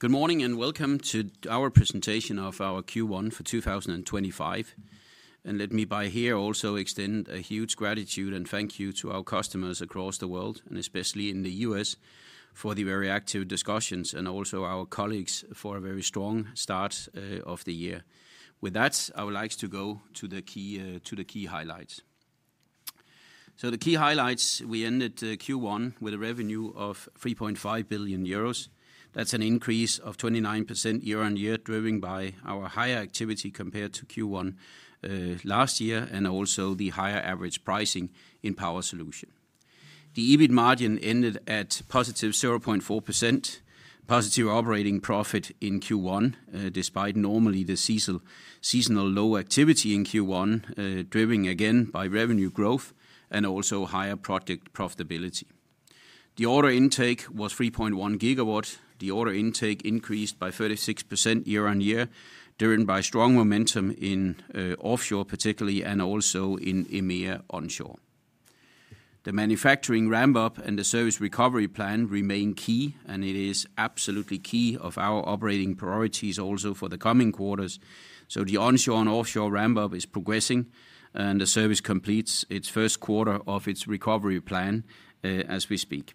Good morning and welcome to our presentation of our Q1 for 2025. Let me by here also extend a huge gratitude and thank you to our customers across the world, and especially in the U.S., for the very active discussions, and also our colleagues for a very strong start of the year. With that, I would like to go to the key highlights. The key highlights, we ended Q1 with a revenue of 3.5 billion euros. That's an increase of 29% year on year, driven by our higher activity compared to Q1 last year and also the higher average pricing in Power Solutions. The EBIT margin ended at positive 0.4%, positive operating profit in Q1, despite normally the seasonal low activity in Q1, driven again by revenue growth and also higher project profitability. The order intake was 3.1 GW. The order intake increased by 36% year-on-year, driven by strong momentum in offshore, particularly, and also in EMEA onshore. The manufacturing ramp-up and the service recovery plan remain key, and it is absolutely key of our operating priorities also for the coming quarters. The onshore and offshore ramp-up is progressing, and the service completes its first quarter of its recovery plan as we speak.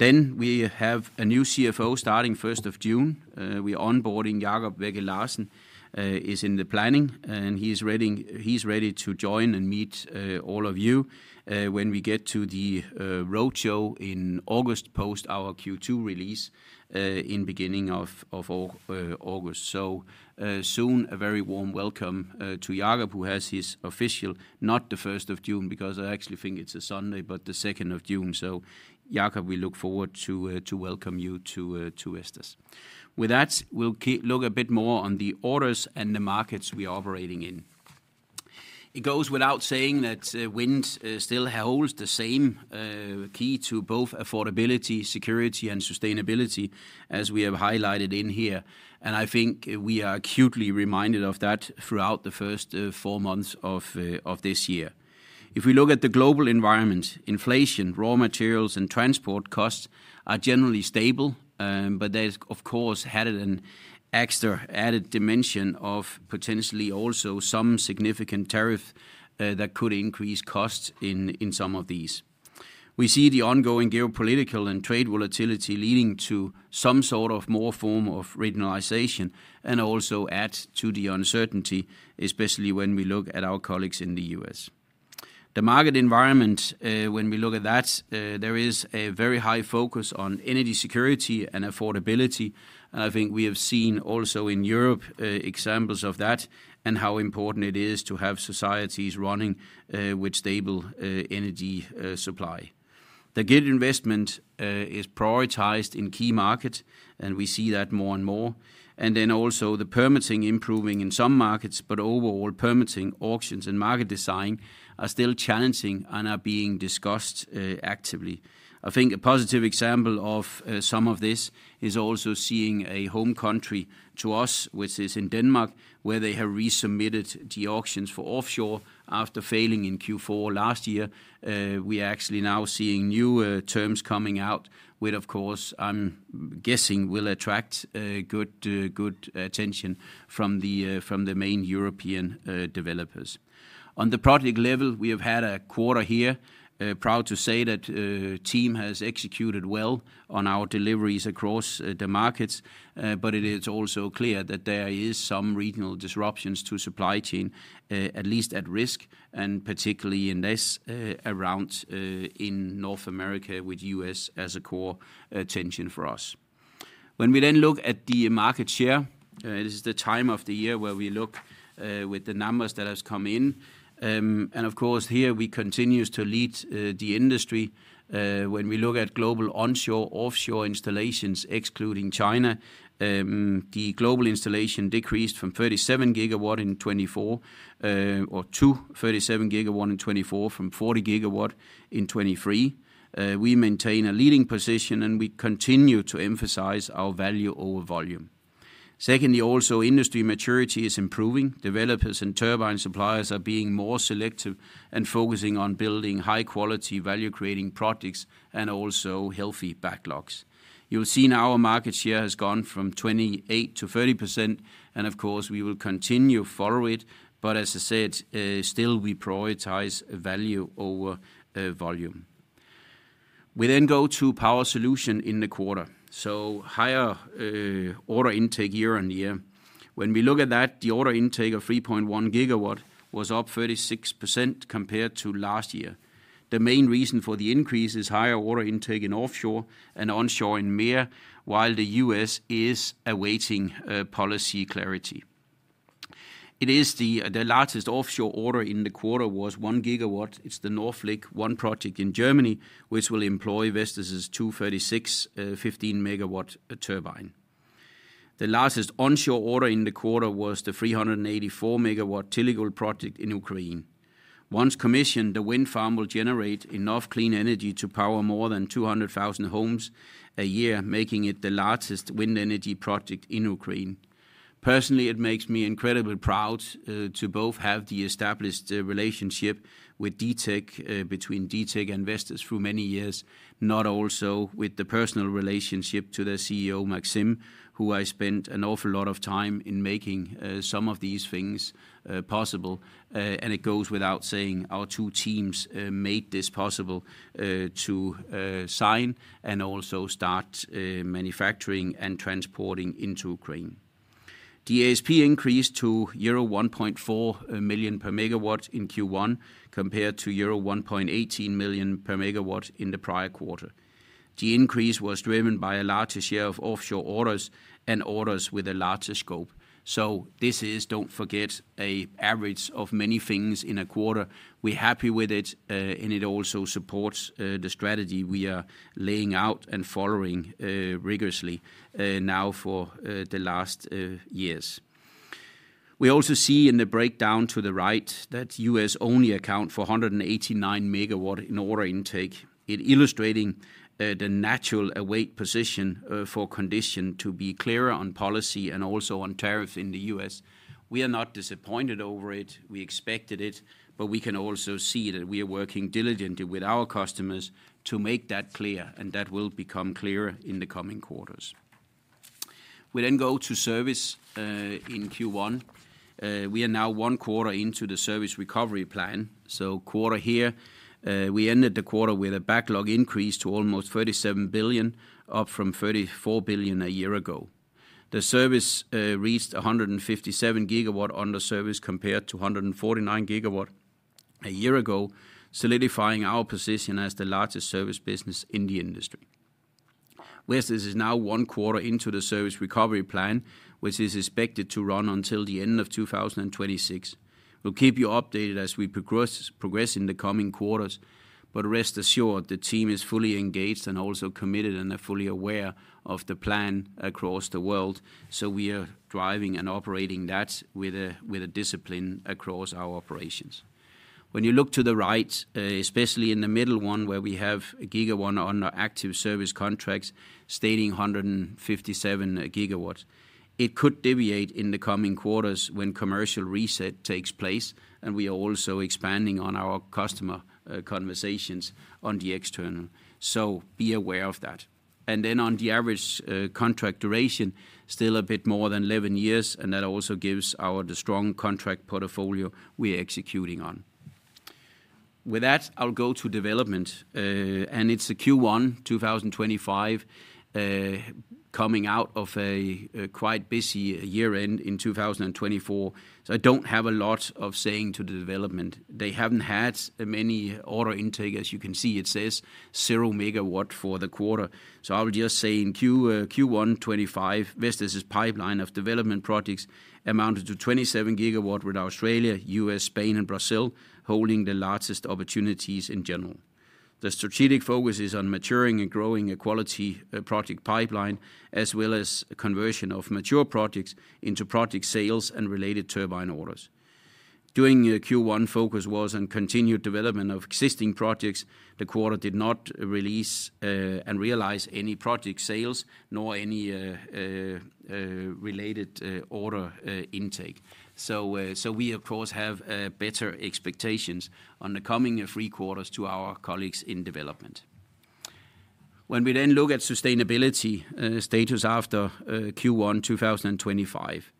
We have a new CFO starting 1st of June. We are onboarding Jakob Wegge-Larsen, is in the planning, and he's ready to join and meet all of you when we get to the roadshow in August post our Q2 release in the beginning of August. Soon, a very warm welcome to Jakob, who has his official not the 1st of June because I actually think it's a Sunday, but the 2nd of June. Jakob, we look forward to welcome you to Vestas. With that, we'll look a bit more on the orders and the markets we are operating in. It goes without saying that wind still holds the same key to both affordability, security, and sustainability, as we have highlighted in here. I think we are acutely reminded of that throughout the first four months of this year. If we look at the global environment, inflation, raw materials, and transport costs are generally stable, but there's, of course, had an extra added dimension of potentially also some significant tariff that could increase costs in some of these. We see the ongoing geopolitical and trade volatility leading to some sort of more form of regionalization and also add to the uncertainty, especially when we look at our colleagues in the US. The market environment, when we look at that, there is a very high focus on energy security and affordability. I think we have seen also in Europe examples of that and how important it is to have societies running with stable energy supply. The grid investment is prioritized in key markets, and we see that more and more. Also, the permitting improving in some markets, but overall permitting, auctions, and market design are still challenging and are being discussed actively. I think a positive example of some of this is also seeing a home country to us, which is in Denmark, where they have resubmitted the auctions for offshore after failing in Q4 last year. We are actually now seeing new terms coming out, which, of course, I'm guessing will attract good attention from the main European developers. On the project level, we have had a quarter here. Proud to say that the team has executed well on our deliveries across the markets, but it is also clear that there are some regional disruptions to supply chain, at least at risk, and particularly in this around in North America with the U.S. as a core tension for us. When we then look at the market share, this is the time of the year where we look with the numbers that have come in. Of course, here we continue to lead the industry. When we look at global onshore/offshore installations, excluding China, the global installation decreased to 37 GW in 2024 from 40 GW in 2023. We maintain a leading position, and we continue to emphasize our value over volume. Secondly, also industry maturity is improving. Developers and turbine suppliers are being more selective and focusing on building high-quality value-creating projects and also healthy backlogs. You'll see now our market share has gone from 28% to 30%, and of course, we will continue to follow it. As I said, still we prioritize value over volume. We then go to Power Solutions in the quarter. Higher order intake year on year. When we look at that, the order intake of 3.1 GW was up 36% compared to last year. The main reason for the increase is higher order intake in offshore and onshore in EMEA, while the U.S. is awaiting policy clarity. The largest offshore order in the quarter was 1 GW. It is the Northfleck One project in Germany, which will employ Vestas' V236-15.0 MW turbine. The largest onshore order in the quarter was the 384 MW Teligol project in Ukraine. Once commissioned, the wind farm will generate enough clean energy to power more than 200,000 homes a year, making it the largest wind energy project in Ukraine. Personally, it makes me incredibly proud to both have the established relationship with DTEK between DTEK and Vestas through many years, not also with the personal relationship to the CEO, Maxim, who I spent an awful lot of time in making some of these things possible. It goes without saying, our two teams made this possible to sign and also start manufacturing and transporting into Ukraine. The ASP increased to euro 1.4 million per megawatt in Q1 compared to euro 1.18 million per megawatt in the prior quarter. The increase was driven by a larger share of offshore orders and orders with a larger scope. This is, do not forget, an average of many things in a quarter. We're happy with it, and it also supports the strategy we are laying out and following rigorously now for the last years. We also see in the breakdown to the right that US only account for 189 MW in order intake. It illustrates the natural await position for condition to be clearer on policy and also on tariffs in the US. We are not disappointed over it. We expected it, but we can also see that we are working diligently with our customers to make that clear, and that will become clearer in the coming quarters. We then go to service in Q1. We are now one quarter into the service recovery plan. Quarter here, we ended the quarter with a backlog increase to almost 37 billion, up from 34 billion a year ago. The service reached 157 GW under service compared to 149 GW a year ago, solidifying our position as the largest service business in the industry. Vestas is now one quarter into the service recovery plan, which is expected to run until the end of 2026. We'll keep you updated as we progress in the coming quarters. Rest assured, the team is fully engaged and also committed and are fully aware of the plan across the world. We are driving and operating that with a discipline across our operations. When you look to the right, especially in the middle one where we have gigawatt under active service contracts stating 157 GW, it could deviate in the coming quarters when commercial reset takes place. We are also expanding on our customer conversations on the external. Be aware of that. The average contract duration is still a bit more than 11 years, and that also gives our strong contract portfolio we are executing on. With that, I'll go to development. It is a Q1 2025 coming out of a quite busy year-end in 2024. I do not have a lot of saying to the development. They have not had many order intake. As you can see, it says 0 MW for the quarter. I will just say in Q1 2025, Vestas' pipeline of development projects amounted to 27 GWwith Australia, US, Spain, and Brazil holding the largest opportunities in general. The strategic focus is on maturing and growing a quality project pipeline, as well as conversion of mature projects into project sales and related turbine orders. During Q1, focus was on continued development of existing projects. The quarter did not release and realize any project sales nor any related order intake. We, of course, have better expectations on the coming three quarters to our colleagues in development. When we then look at sustainability status after Q1 2025,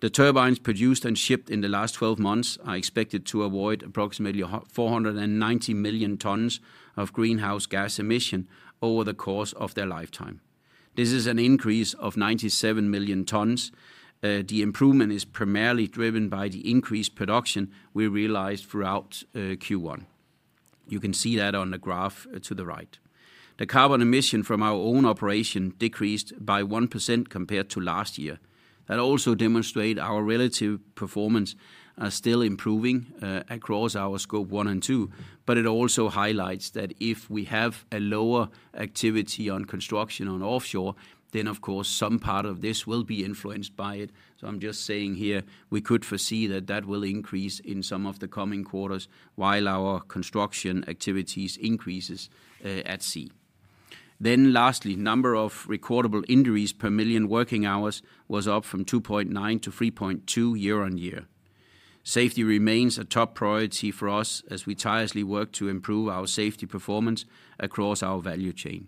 the turbines produced and shipped in the last 12 months are expected to avoid approximately 490 million tons of greenhouse gas emission over the course of their lifetime. This is an increase of 97 million tons. The improvement is primarily driven by the increased production we realized throughout Q1. You can see that on the graph to the right. The carbon emission from our own operation decreased by 1% compared to last year. That also demonstrates our relative performance is still improving across our scope one and two, but it also highlights that if we have a lower activity on construction on offshore, then, of course, some part of this will be influenced by it. I am just saying here, we could foresee that that will increase in some of the coming quarters while our construction activities increase at sea. Lastly, number of recordable injuries per million working hours was up from 2.9 to 3.2 year on year. Safety remains a top priority for us as we tirelessly work to improve our safety performance across our value chain.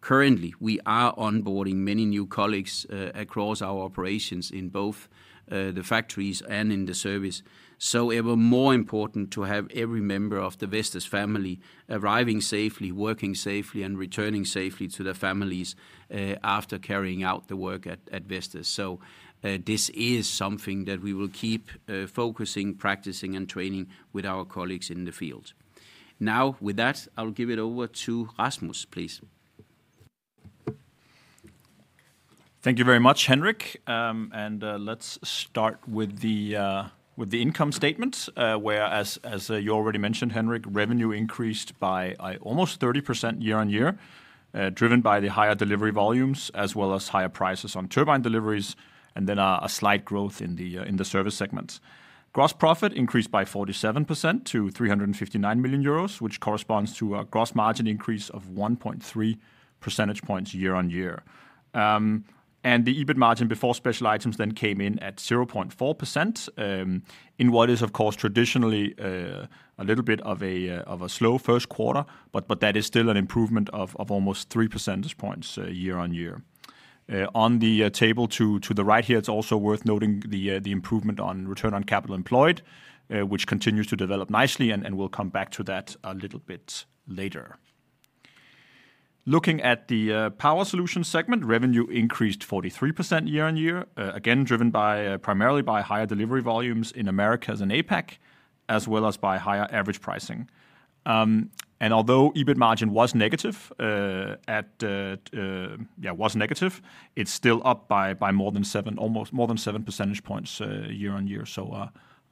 Currently, we are onboarding many new colleagues across our operations in both the factories and in the service. It was more important to have every member of the Vestas family arriving safely, working safely, and returning safely to their families after carrying out the work at Vestas. This is something that we will keep focusing, practicing, and training with our colleagues in the field. Now, with that, I'll give it over to Rasmus, please. Thank you very much, Henrik. Let's start with the income statements, where, as you already mentioned, Henrik, revenue increased by almost 30% year-on-year, driven by the higher delivery volumes as well as higher prices on turbine deliveries, and then a slight growth in the service segments. Gross profit increased by 47% to 359 million euros, which corresponds to a gross margin increase of 1.3 percentage points year on year. The EBIT margin before special items then came in at 0.4% in what is, of course, traditionally a little bit of a slow first quarter, but that is still an improvement of almost 3 percentage points year on year. On the table to the right here, it's also worth noting the improvement on return on capital employed, which continues to develop nicely, and we'll come back to that a little bit later. Looking at the Power Solutions segment, revenue increased 43% year on year, again, driven primarily by higher delivery volumes in Americas and APAC, as well as by higher average pricing. Although EBIT margin was negative, yeah, was negative, it's still up by more than seven percentage points year on year.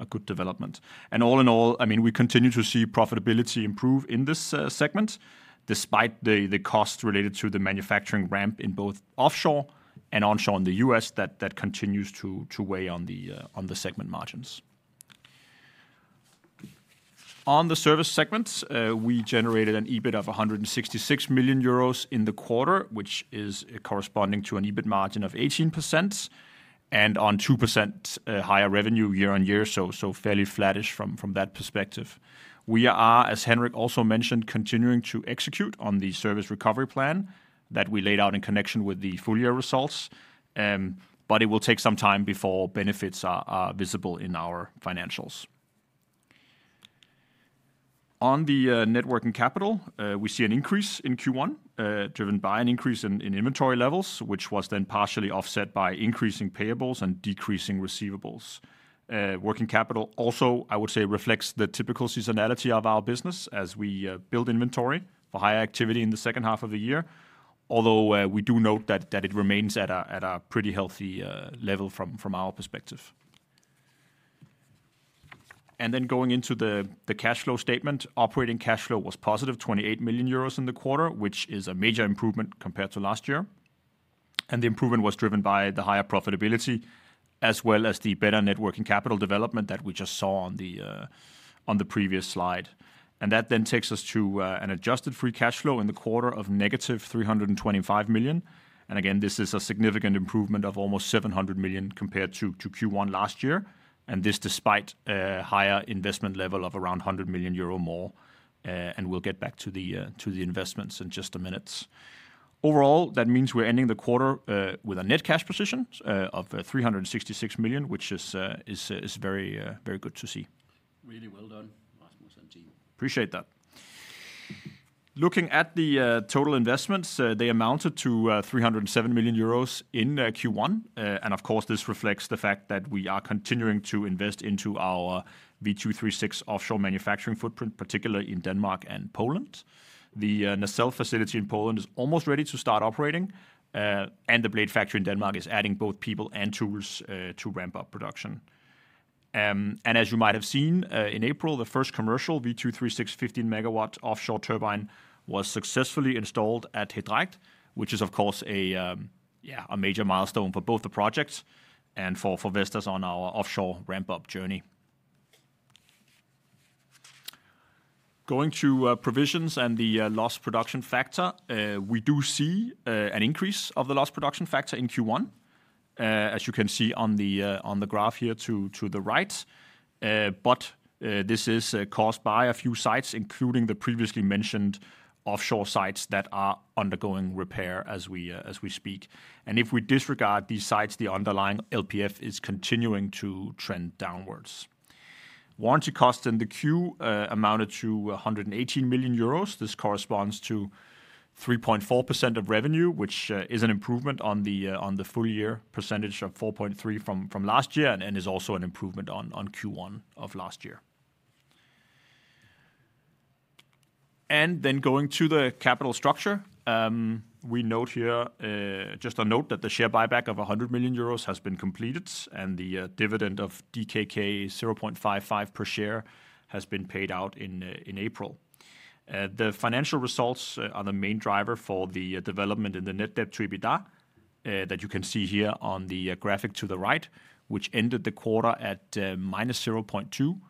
A good development. All in all, I mean, we continue to see profitability improve in this segment despite the costs related to the manufacturing ramp in both offshore and onshore in the U.S. that continues to weigh on the segment margins. On the Service segment, we generated an EBIT of 166 million euros in the quarter, which is corresponding to an EBIT margin of 18% and on 2% higher revenue year on year. Fairly flattish from that perspective. We are, as Henrik also mentioned, continuing to execute on the service recovery plan that we laid out in connection with the full year results, but it will take some time before benefits are visible in our financials. On the net working capital, we see an increase in Q1 driven by an increase in inventory levels, which was then partially offset by increasing payables and decreasing receivables. Working capital also, I would say, reflects the typical seasonality of our business as we build inventory for higher activity in the second half of the year, although we do note that it remains at a pretty healthy level from our perspective. Going into the cash flow statement, operating cash flow was positive 28 million euros in the quarter, which is a major improvement compared to last year. The improvement was driven by the higher profitability as well as the better net working capital development that we just saw on the previous slide. That then takes us to an adjusted free cash flow in the quarter of -325 million. This is a significant improvement of almost 700 million compared to Q1 last year, and this despite a higher investment level of around 100 million euro more. We will get back to the investments in just a minute. Overall, that means we are ending the quarter with a net cash position of 366 million, which is very good to see. Really well done, Rasmus and team. Appreciate that. Looking at the total investments, they amounted to 307 million euros in Q1. Of course, this reflects the fact that we are continuing to invest into our V236 offshore manufacturing footprint, particularly in Denmark and Poland. The Nestel facility in Poland is almost ready to start operating, and the blade factory in Denmark is adding both people and tools to ramp up production. As you might have seen, in April, the first commercial V236-15.0 MW offshore turbine was successfully installed at Hedreit, which is, of course, a major milestone for both the projects and for Vestas on our offshore ramp-up journey. Going to provisions and the lost production factor, we do see an increase of the lost production factor in Q1, as you can see on the graph here to the right. This is caused by a few sites, including the previously mentioned offshore sites that are undergoing repair as we speak. If we disregard these sites, the underlying LPF is continuing to trend downwards. Warranty costs in the quarter amounted to 118 million euros. This corresponds to 3.4% of revenue, which is an improvement on the full year percentage of 4.3% from last year and is also an improvement on Q1 of last year. Going to the capital structure, we note here, just a note, that the share buyback of 100 million euros has been completed and the dividend of DKK 0.55 per share has been paid out in April. The financial results are the main driver for the development in the net debt to EBITDA that you can see here on the graphic to the right, which ended the quarter at -0.2,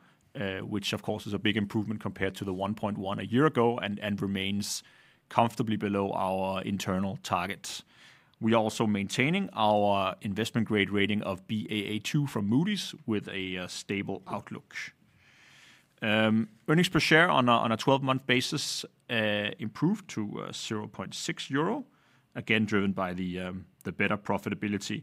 which, of course, is a big improvement compared to the 1.1 a year ago and remains comfortably below our internal target. We are also maintaining our investment grade rating of Baa2 from Moody's with a stable outlook. Earnings per share on a 12-month basis improved to 0.6 euro, again driven by the better profitability.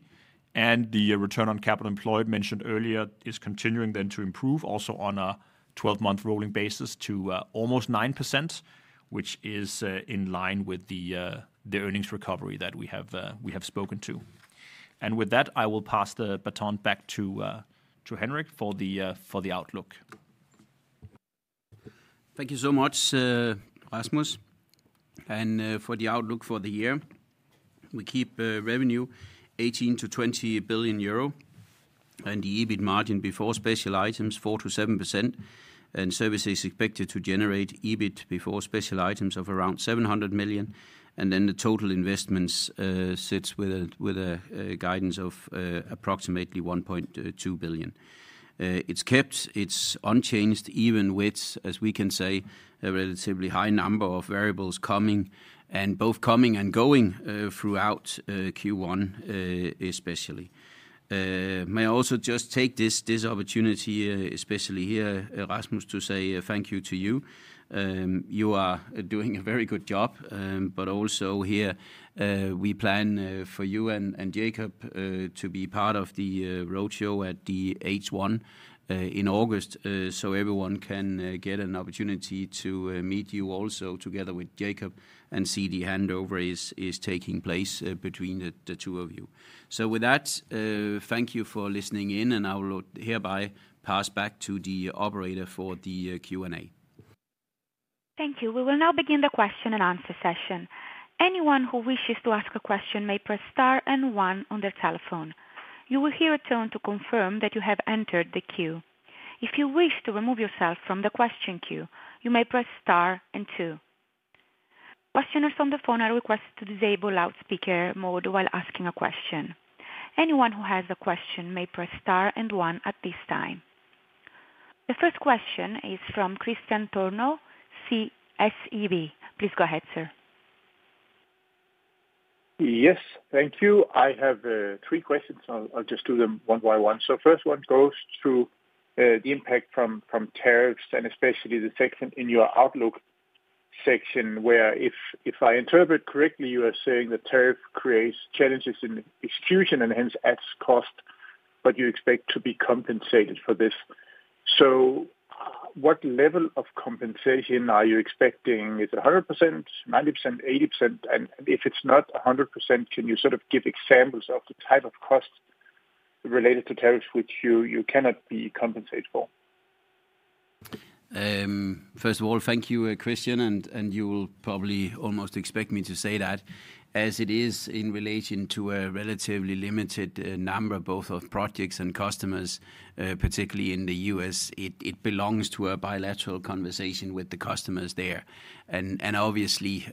The return on capital employed mentioned earlier is continuing then to improve also on a 12-month rolling basis to almost 9%, which is in line with the earnings recovery that we have spoken to. With that, I will pass the baton back to Henrik for the outlook. Thank you so much, Rasmus. For the outlook for the year, we keep revenue at 18 billion-20 billion euro and the EBIT margin before special items at 4%-7%. Services are expected to generate EBIT before special items of around 700 million. The total investments sit with a guidance of approximately 1.2 billion. It is kept, it is unchanged even with, as we can say, a relatively high number of variables coming and both coming and going throughout Q1 especially. May I also just take this opportunity, especially here, Rasmus, to say thank you to you. You are doing a very good job, but also here we plan for you and Jakob to be part of the roadshow at the H1 in August so everyone can get an opportunity to meet you also together with Jakob and see the handover is taking place between the two of you. With that, thank you for listening in, and I will hereby pass back to the operator for the Q&A. Thank you. We will now begin the question-and-answer session. Anyone who wishes to ask a question may press star and one on their telephone. You will hear a tone to confirm that you have entered the queue. If you wish to remove yourself from the question queue, you may press star and two. Questioners on the phone are requested to disable loudspeaker mode while asking a question. Anyone who has a question may press star and one at this time. The first question is from Kristian Tornøe, SEB. Please go ahead, sir. Yes, thank you. I have three questions. I'll just do them one by one. The first one goes to the impact from tariffs and especially the section in your outlook section where, if I interpret correctly, you are saying the tariff creates challenges in execution and hence adds cost, but you expect to be compensated for this. What level of compensation are you expecting? Is it 100%, 90%, 80%? If it's not 100%, can you sort of give examples of the type of cost related to tariffs which you cannot be compensated for? First of all, thank you, Kristian, and you will probably almost expect me to say that as it is in relation to a relatively limited number both of projects and customers, particularly in the US, it belongs to a bilateral conversation with the customers there. Obviously,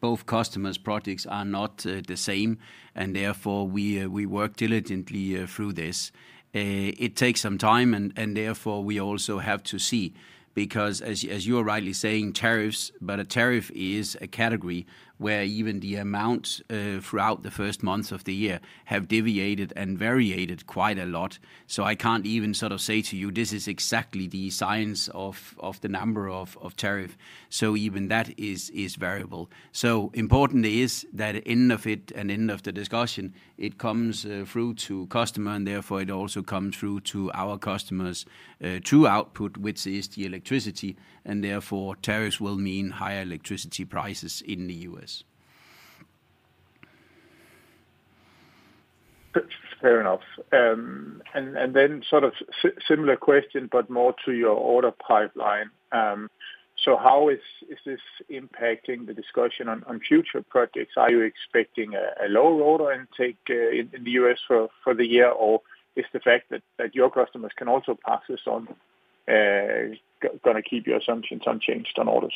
both customers' projects are not the same, and therefore we work diligently through this. It takes some time, and therefore we also have to see because as you are rightly saying, tariffs, but a tariff is a category where even the amounts throughout the first month of the year have deviated and variated quite a lot. I can't even sort of say to you, this is exactly the science of the number of tariffs. Even that is variable. Important is that at the end of it and end of the discussion, it comes through to customer, and therefore it also comes through to our customers' true output, which is the electricity, and therefore tariffs will mean higher electricity prices in the U.S. Fair enough. Then sort of similar question, but more to your order pipeline. How is this impacting the discussion on future projects? Are you expecting a lower order intake in the US for the year, or is the fact that your customers can also pass this on going to keep your assumptions unchanged on orders?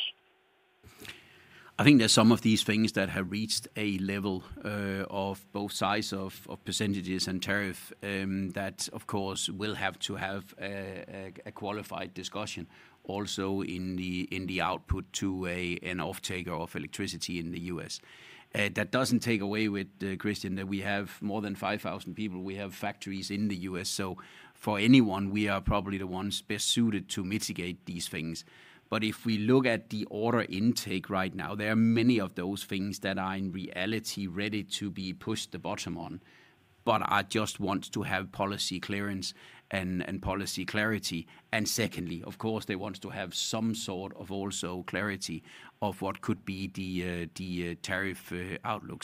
I think there are some of these things that have reached a level of both sides of percentages and tariff that, of course, will have to have a qualified discussion also in the output to an offtaker of electricity in the US. That does not take away, Kristian, that we have more than 5,000 people. We have factories in the US. For anyone, we are probably the ones best suited to mitigate these things. If we look at the order intake right now, there are many of those things that are in reality ready to be pushed the bottom on, but I just want to have policy clearance and policy clarity. Of course, they want to have some sort of also clarity of what could be the tariff outlook.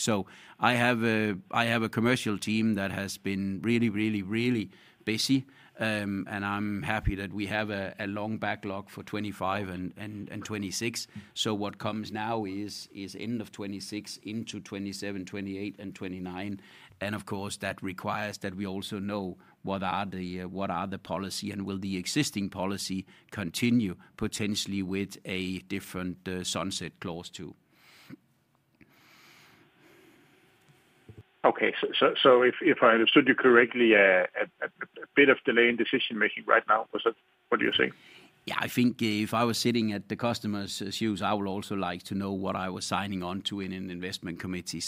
I have a commercial team that has been really, really, really busy, and I'm happy that we have a long backlog for 2025 and 2026. What comes now is end of 2026 into 2027, 2028, and 2029. That requires that we also know what are the policy and will the existing policy continue potentially with a different sunset clause too. Okay. If I understood you correctly, a bit of delay in decision-making right now, what do you think? Yeah, I think if I was sitting at the customer's shoes, I would also like to know what I was signing on to in an investment committee.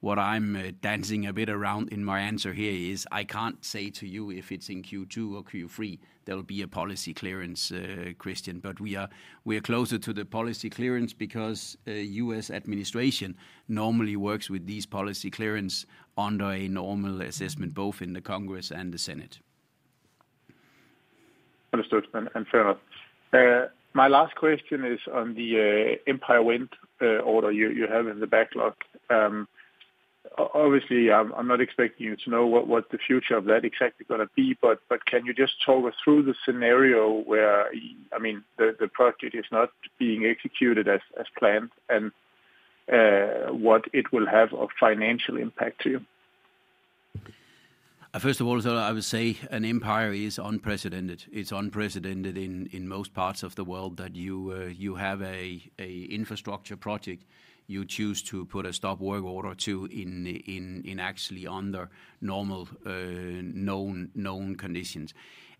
What I am dancing a bit around in my answer here is I cannot say to you if it is in Q2 or Q3 there will be a policy clearance, Kristian, but we are closer to the policy clearance because US administration normally works with these policy clearance under a normal assessment both in the Congress and the Senate. Understood. Fair enough. My last question is on the Empire Wind order you have in the backlog. Obviously, I am not expecting you to know what the future of that exactly is going to be, but can you just talk us through the scenario where, I mean, the project is not being executed as planned and what it will have of financial impact to you? First of all, I would say an Empire is unprecedented. It's unprecedented in most parts of the world that you have an infrastructure project you choose to put a stop work order to in actually under normal known conditions.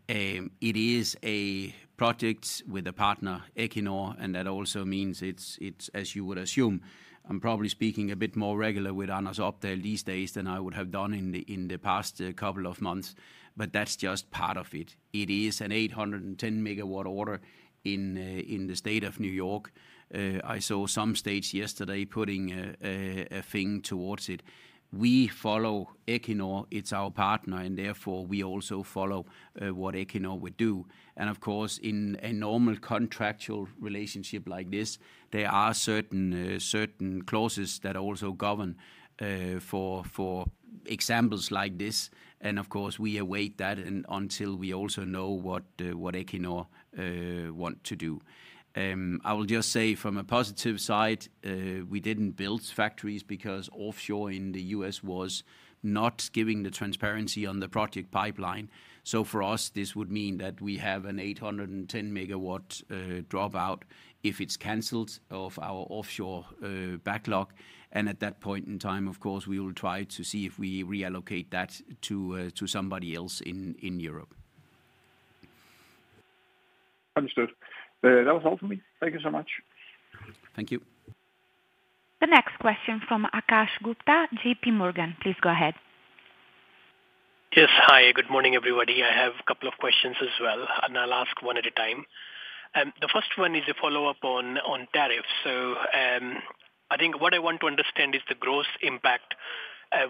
It is a project with a partner, Equinor, and that also means it's, as you would assume, I'm probably speaking a bit more regular with Anders Opdal these days than I would have done in the past couple of months, but that's just part of it. It is an 810 megawatt order in the state of New York. I saw some states yesterday putting a thing towards it. We follow Equinor. It's our partner, and therefore we also follow what Equinor would do. Of course, in a normal contractual relationship like this, there are certain clauses that also govern for examples like this. Of course, we await that until we also know what Equinor wants to do. I will just say from a positive side, we did not build factories because offshore in the U.S. was not giving the transparency on the project pipeline. For us, this would mean that we have an 810 MW dropout if it is canceled of our offshore backlog. At that point in time, of course, we will try to see if we reallocate that to somebody else in Europe. Understood. That was all for me. Thank you so much. Thank you. The next question from Akash Gupta, JPMorgan. Please go ahead. Yes. Hi. Good morning, everybody. I have a couple of questions as well, and I will ask one at a time. The first one is a follow-up on tariffs. I think what I want to understand is the gross impact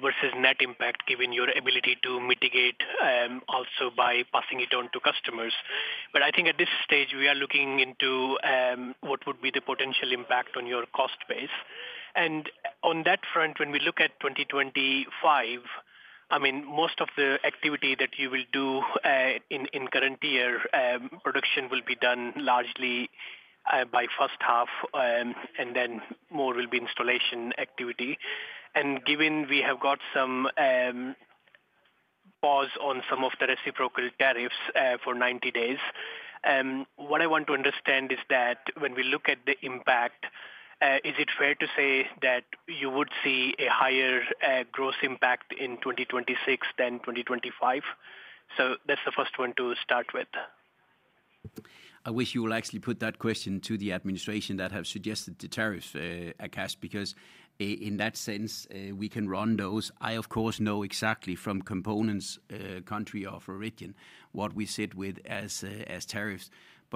versus net impact given your ability to mitigate also by passing it on to customers. I think at this stage, we are looking into what would be the potential impact on your cost base. On that front, when we look at 2025, I mean, most of the activity that you will do in current year production will be done largely by first half, and then more will be installation activity. Given we have got some pause on some of the reciprocal tariffs for 90 days, what I want to understand is that when we look at the impact, is it fair to say that you would see a higher gross impact in 2026 than 2025? That is the first one to start with. I wish you would actually put that question to the administration that have suggested the tariffs, Akash, because in that sense, we can run those. I, of course, know exactly from components, country of origin, what we sit with as tariffs.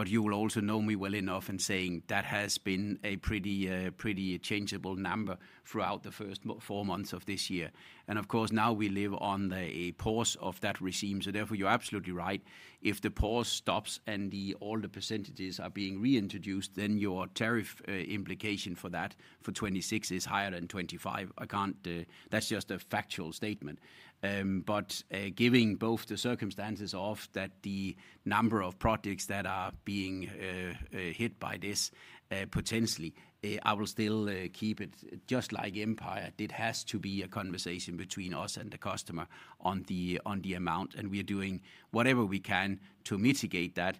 You will also know me well enough in saying that has been a pretty changeable number throughout the first four months of this year. Of course, now we live on a pause of that regime. Therefore, you're absolutely right. If the pause stops and all the percentages are being reintroduced, then your tariff implication for that for 2026 is higher than 2025. That's just a factual statement. Giving both the circumstances of that, the number of projects that are being hit by this potentially, I will still keep it just like Empire. It has to be a conversation between us and the customer on the amount, and we are doing whatever we can to mitigate that.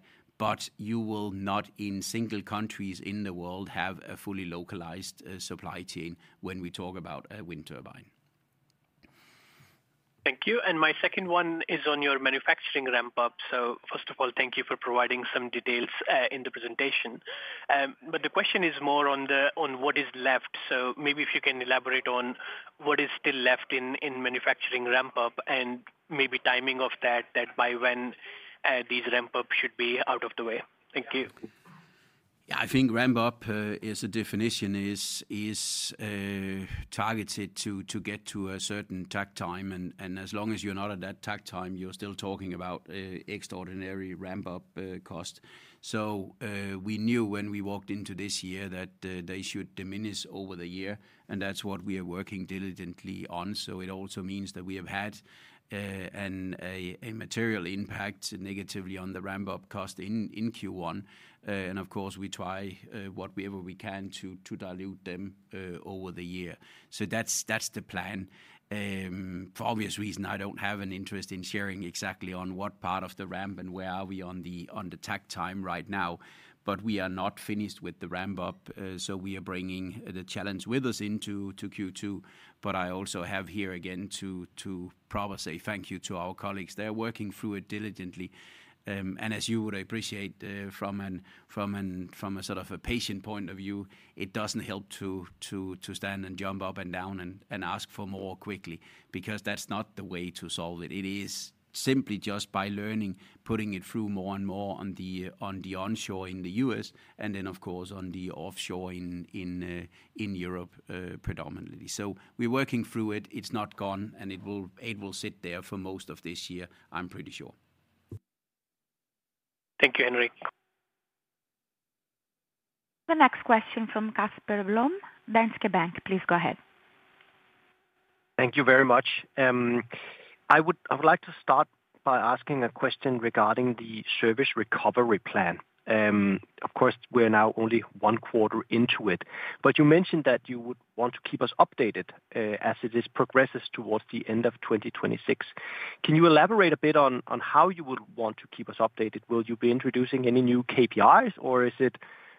You will not, in single countries in the world, have a fully localized supply chain when we talk about a wind turbine. Thank you. My second one is on your manufacturing ramp-up. First of all, thank you for providing some details in the presentation. The question is more on what is left. Maybe if you can elaborate on what is still left in manufacturing ramp-up and maybe timing of that, by when these ramp-ups should be out of the way. Thank you. I think ramp-up as a definition is targeted to get to a certain tag time. As long as you are not at that tag time, you are still talking about extraordinary ramp-up cost. We knew when we walked into this year that they should diminish over the year, and that is what we are working diligently on. It also means that we have had a material impact negatively on the ramp-up cost in Q1. Of course, we try whatever we can to dilute them over the year. That is the plan. For obvious reason, I do not have an interest in sharing exactly on what part of the ramp and where are we on the tag time right now. We are not finished with the ramp-up. We are bringing the challenge with us into Q2. I also have here again to probably say thank you to our colleagues. They are working through it diligently. As you would appreciate from a sort of a patient point of view, it does not help to stand and jump up and down and ask for more quickly because that is not the way to solve it. It is simply just by learning, putting it through more and more on the onshore in the US and then, of course, on the offshore in Europe predominantly. We are working through it. It is not gone, and it will sit there for most of this year, I am pretty sure. Thank you, Henrik. The next question from Casper Blom, Danske Bank. Please go ahead. Thank you very much. I would like to start by asking a question regarding the service recovery plan. Of course, we are now only one quarter into it, but you mentioned that you would want to keep us updated as it progresses towards the end of 2026. Can you elaborate a bit on how you would want to keep us updated? Will you be introducing any new KPIs, or is it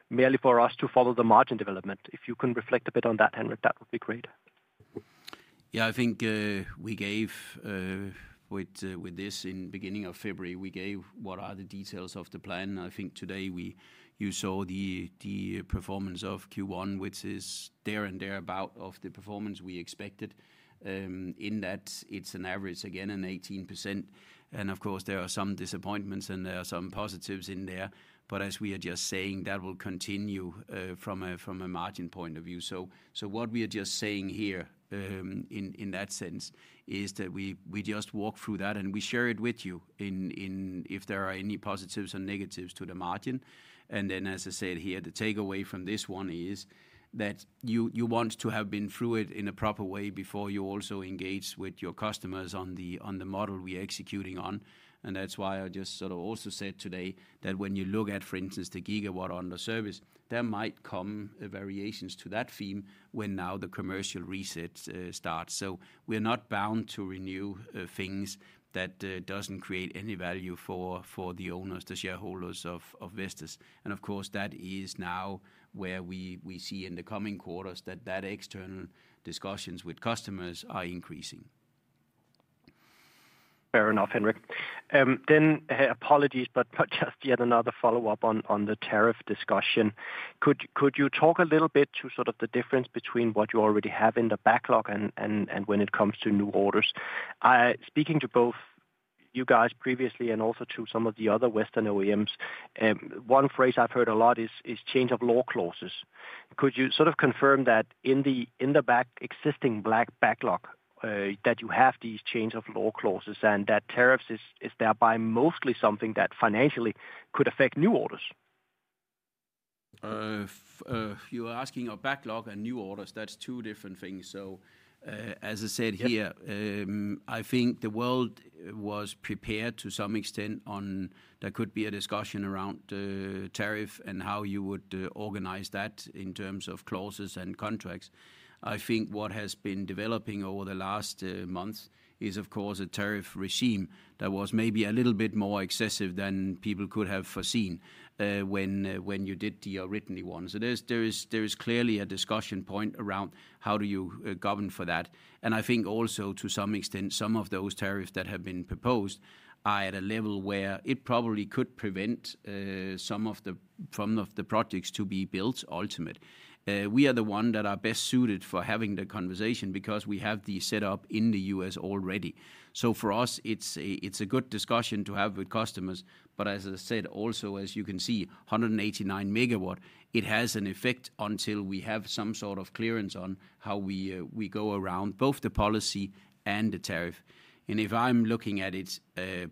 merely for us to follow the margin development? If you can reflect a bit on that, Henrik, that would be great. Yeah, I think we gave with this in the beginning of February, we gave what are the details of the plan. I think today you saw the performance of Q1, which is there and thereabout of the performance we expected in that it's an average, again, an 18%. Of course, there are some disappointments and there are some positives in there. As we are just saying, that will continue from a margin point of view. What we are just saying here in that sense is that we just walk through that and we share it with you if there are any positives or negatives to the margin. As I said here, the takeaway from this one is that you want to have been through it in a proper way before you also engage with your customers on the model we are executing on. That is why I just sort of also said today that when you look at, for instance, the gigawatt on the service, there might come variations to that theme when now the commercial reset starts. We are not bound to renew things that do not create any value for the owners, the shareholders of Vestas. Of course, that is now where we see in the coming quarters that external discussions with customers are increasing. Fair enough, Henrik. Apologies, but just yet another follow-up on the tariff discussion. Could you talk a little bit to sort of the difference between what you already have in the backlog and when it comes to new orders? Speaking to both you guys previously and also to some of the other Western OEMs, one phrase I've heard a lot is change of law clauses. Could you sort of confirm that in the existing backlog that you have these change of law clauses and that tariffs is thereby mostly something that financially could affect new orders? You're asking about backlog and new orders. That's two different things. As I said here, I think the world was prepared to some extent on there could be a discussion around tariff and how you would organize that in terms of clauses and contracts. I think what has been developing over the last month is, of course, a tariff regime that was maybe a little bit more excessive than people could have foreseen when you did the original one. There is clearly a discussion point around how do you govern for that. I think also to some extent, some of those tariffs that have been proposed are at a level where it probably could prevent some of the projects to be built ultimately. We are the one that are best suited for having the conversation because we have the setup in the US already. For us, it's a good discussion to have with customers. As I said, also, as you can see, 189 MW, it has an effect until we have some sort of clearance on how we go around both the policy and the tariff. If I am looking at it,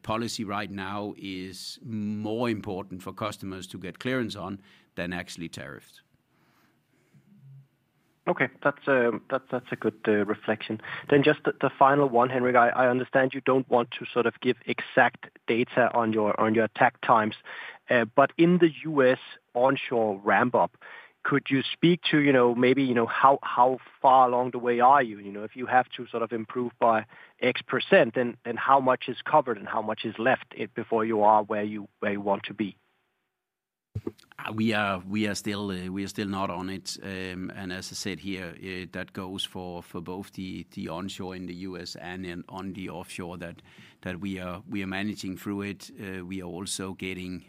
policy right now is more important for customers to get clearance on than actually tariffs. Okay. That is a good reflection. Just the final one, Henrik. I understand you do not want to sort of give exact data on your tag times. In the US onshore ramp-up, could you speak to maybe how far along the way are you? If you have to sort of improve by X%, then how much is covered and how much is left before you are where you want to be? We are still not on it. As I said here, that goes for both the onshore in the US and on the offshore that we are managing through it. We are also getting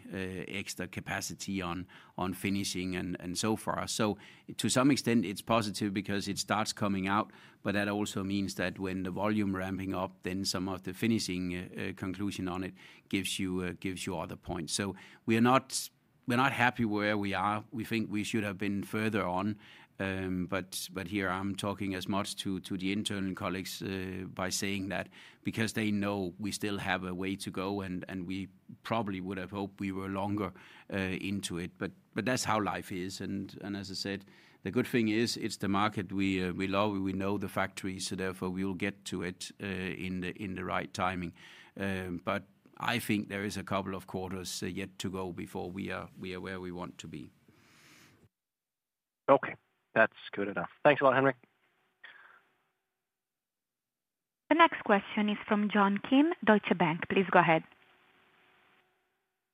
extra capacity on finishing and so far. To some extent, it's positive because it starts coming out, but that also means that when the volume is ramping up, then some of the finishing conclusion on it gives you other points. We're not happy where we are. We think we should have been further on. Here, I'm talking as much to the internal colleagues by saying that because they know we still have a way to go and we probably would have hoped we were longer into it. That's how life is. As I said, the good thing is it's the market we love. We know the factories, so therefore we will get to it in the right timing. I think there is a couple of quarters yet to go before we are where we want to be. Okay. That's good enough. Thanks a lot, Henrik. The next question is from John Kim, Deutsche Bank. Please go ahead.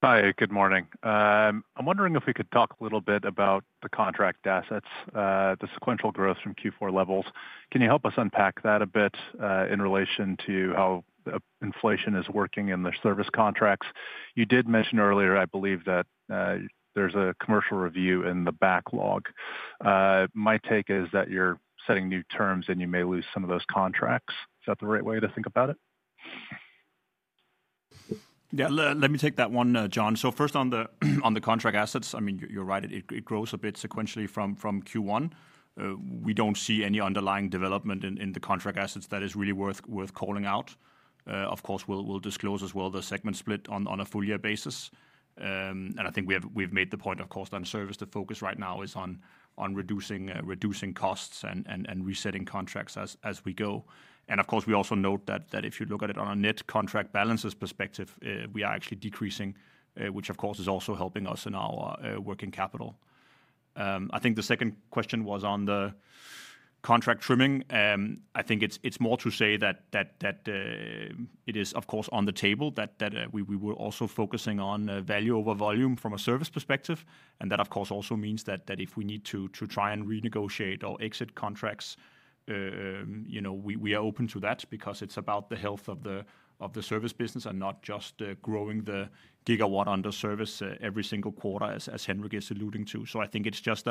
Hi. Good morning. I'm wondering if we could talk a little bit about the contract assets, the sequential growth from Q4 levels. Can you help us unpack that a bit in relation to how inflation is working in the service contracts? You did mention earlier, I believe, that there's a commercial review in the backlog. My take is that you're setting new terms and you may lose some of those contracts. Is that the right way to think about it? Yeah. Let me take that one, John. First on the contract assets, I mean, you're right. It grows a bit sequentially from Q1. We don't see any underlying development in the contract assets that is really worth calling out. Of course, we'll disclose as well the segment split on a full year basis. I think we have made the point, of course, that service, the focus right now is on reducing costs and resetting contracts as we go. Of course, we also note that if you look at it on a net contract balances perspective, we are actually decreasing, which of course is also helping us in our working capital. I think the second question was on the contract trimming. I think it is more to say that it is, of course, on the table that we were also focusing on value over volume from a service perspective. That, of course, also means that if we need to try and renegotiate or exit contracts, we are open to that because it is about the health of the service business and not just growing the gigawatt under service every single quarter, as Henrik is alluding to. I think it's just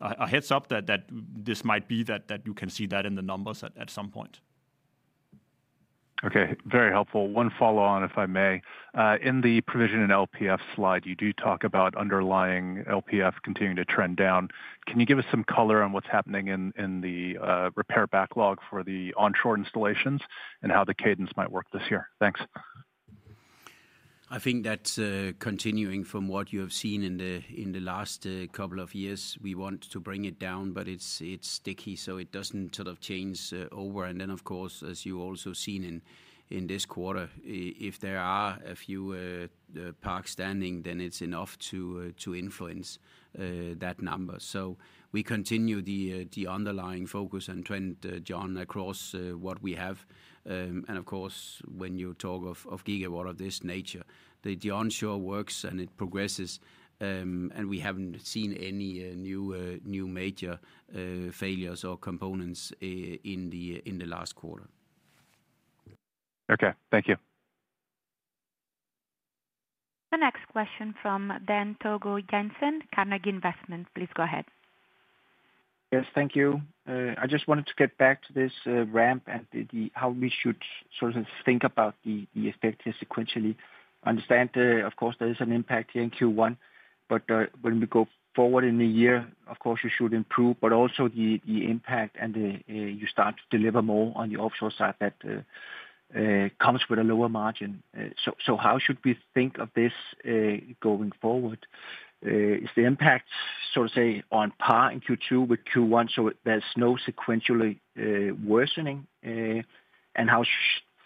a heads up that this might be that you can see that in the numbers at some point. Okay. Very helpful. One follow-on, if I may. In the provision and LPF slide, you do talk about underlying LPF continuing to trend down. Can you give us some color on what's happening in the repair backlog for the onshore installations and how the cadence might work this year? Thanks. I think that's continuing from what you have seen in the last couple of years. We want to bring it down, but it's sticky, so it doesn't sort of change over. Of course, as you also seen in this quarter, if there are a few parks standing, then it's enough to influence that number. We continue the underlying focus and trend, John, across what we have. Of course, when you talk of gigawatt of this nature, the onshore works and it progresses, and we have not seen any new major failures or components in the last quarter. Thank you. The next question from Dan Togo Jensen, Carnegie Investment. Please go ahead. Yes, thank you. I just wanted to get back to this ramp and how we should sort of think about the effect sequentially. Understand, of course, there is an impact here in Q1, but when we go forward in the year, of course, you should improve, but also the impact and you start to deliver more on the offshore side that comes with a lower margin. How should we think of this going forward? Is the impact sort of say on par in Q2 with Q1, so there is no sequentially worsening? How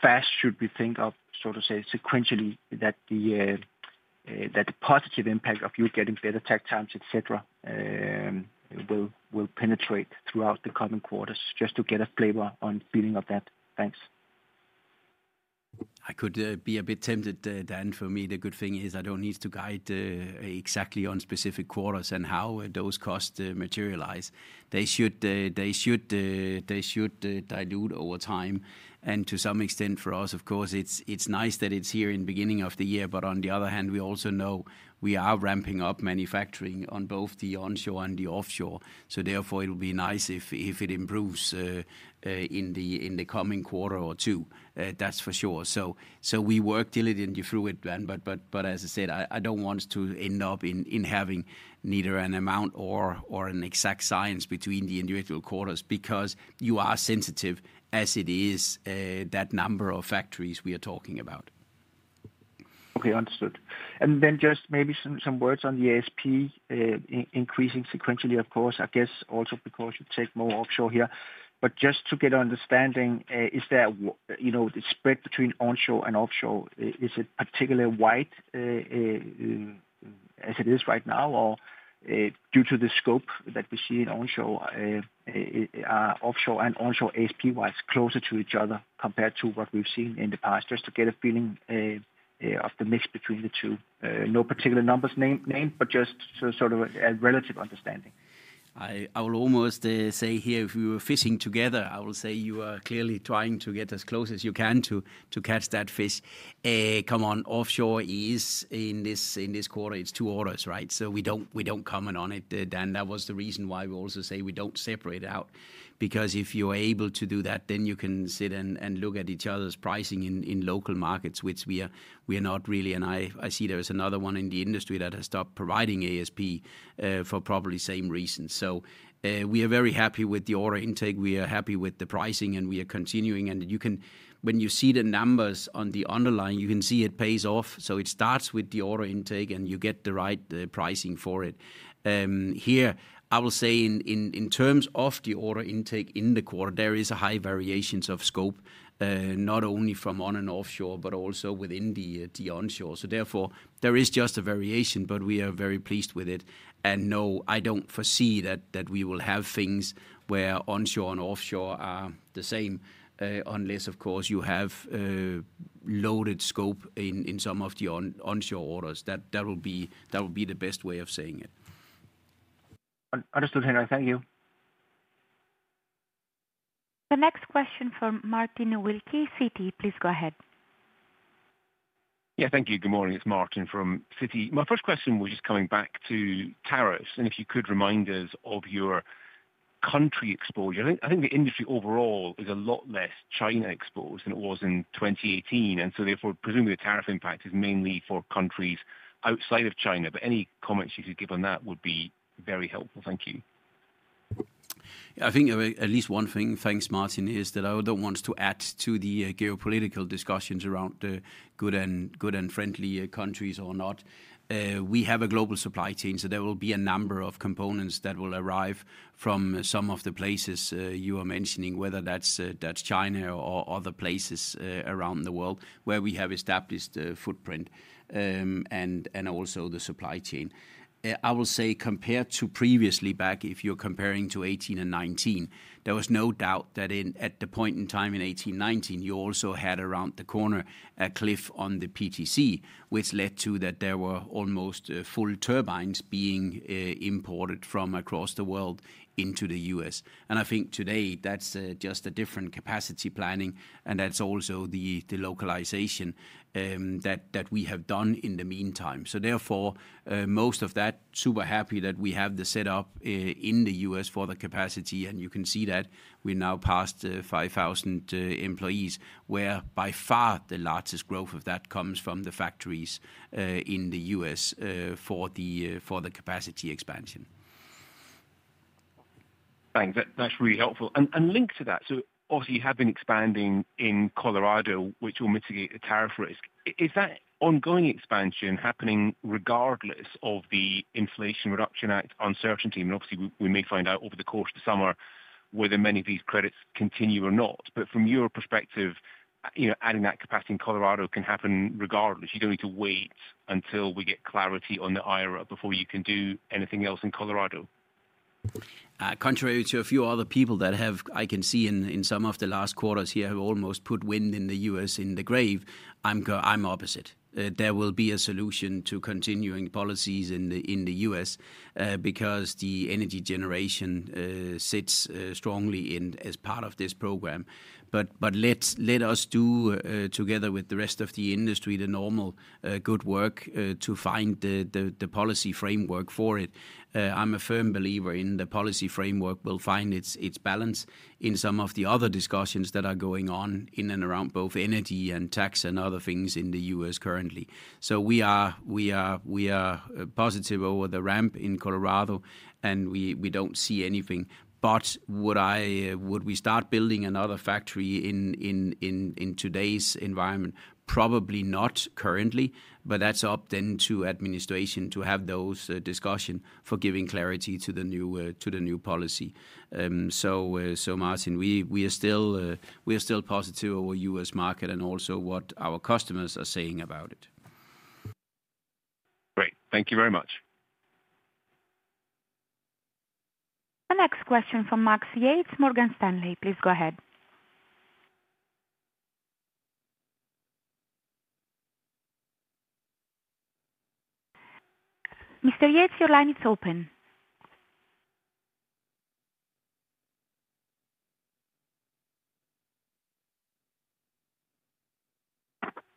fast should we think of sort of say sequentially that the positive impact of you getting better tag times, etc., will penetrate throughout the coming quarters? Just to get a flavor on feeling of that. Thanks. I could be a bit tempted, Dan. For me, the good thing is I do not need to guide exactly on specific quarters and how those costs materialize. They should dilute over time. To some extent for us, of course, it is nice that it is here in the beginning of the year, but on the other hand, we also know we are ramping up manufacturing on both the onshore and the offshore. Therefore, it will be nice if it improves in the coming quarter or two. That is for sure. We work diligently through it, Dan. As I said, I do not want to end up in having neither an amount or an exact science between the individual quarters because you are sensitive as it is that number of factories we are talking about. Okay. Understood. Maybe some words on the ASP increasing sequentially, of course, I guess also because you take more offshore here. Just to get an understanding, is there a spread between onshore and offshore? Is it particularly wide as it is right now or due to the scope that we see in offshore and onshore ASP-wise closer to each other compared to what we have seen in the past? Just to get a feeling of the mix between the two. No particular numbers named, but just sort of a relative understanding. I will almost say here, if we were fishing together, I will say you are clearly trying to get as close as you can to catch that fish. Come on, offshore is in this quarter, it is two orders, right? We do not comment on it, Dan. That was the reason why we also say we do not separate out. Because if you are able to do that, then you can sit and look at each other's pricing in local markets, which we are not really. I see there is another one in the industry that has stopped providing ASP for probably the same reasons. We are very happy with the order intake. We are happy with the pricing and we are continuing. When you see the numbers on the underlying, you can see it pays off. It starts with the order intake and you get the right pricing for it. Here, I will say in terms of the order intake in the quarter, there is a high variation of scope, not only from on and offshore, but also within the onshore. Therefore, there is just a variation, but we are very pleased with it. No, I do not foresee that we will have things where onshore and offshore are the same, unless of course you have loaded scope in some of the onshore orders. That will be the best way of saying it. Understood, Henrik. Thank you. The next question from Martin Wilkie, Citi. Please go ahead. Yeah. Thank you. Good morning. It is Martin from Citi. My first question was just coming back to tariffs. If you could remind us of your country exposure. I think the industry overall is a lot less China-exposed than it was in 2018. Therefore, presumably the tariff impact is mainly for countries outside of China. Any comments you could give on that would be very helpful. Thank you. I think at least one thing, thanks, Martin, is that I do not want to add to the geopolitical discussions around good and friendly countries or not. We have a global supply chain, so there will be a number of components that will arrive from some of the places you are mentioning, whether that is China or other places around the world where we have established footprint and also the supply chain. I will say compared to previously back, if you're comparing to 2018 and 2019, there was no doubt that at the point in time in 2018, 2019, you also had around the corner a cliff on the PTC, which led to that there were almost full turbines being imported from across the world into the U.S. I think today that's just a different capacity planning. That's also the localization that we have done in the meantime. Therefore, most of that, super happy that we have the setup in the U.S. for the capacity. You can see that we're now past 5,000 employees, where by far the largest growth of that comes from the factories in the U.S. for the capacity expansion. Thanks. That's really helpful. Linked to that, obviously you have been expanding in Colorado, which will mitigate the tariff risk. Is that ongoing expansion happening regardless of the Inflation Reduction Act uncertainty? Obviously, we may find out over the course of the summer whether many of these credits continue or not. From your perspective, adding that capacity in Colorado can happen regardless. You do not need to wait until we get clarity on the IRA before you can do anything else in Colorado. Contrary to a few other people that I can see in some of the last quarters here have almost put wind in the US in the grave, I am opposite. There will be a solution to continuing policies in the US because the energy generation sits strongly as part of this program. Let us do, together with the rest of the industry, the normal good work to find the policy framework for it. I'm a firm believer in the policy framework will find its balance in some of the other discussions that are going on in and around both energy and tax and other things in the U.S. currently. We are positive over the ramp in Colorado, and we don't see anything. Would we start building another factory in today's environment? Probably not currently, but that's up then to administration to have those discussions for giving clarity to the new policy. Martin, we are still positive over U.S. market and also what our customers are saying about it. Great. Thank you very much. The next question from Max Yates, Morgan Stanley. Please go ahead. Mr. Yates, your line is open.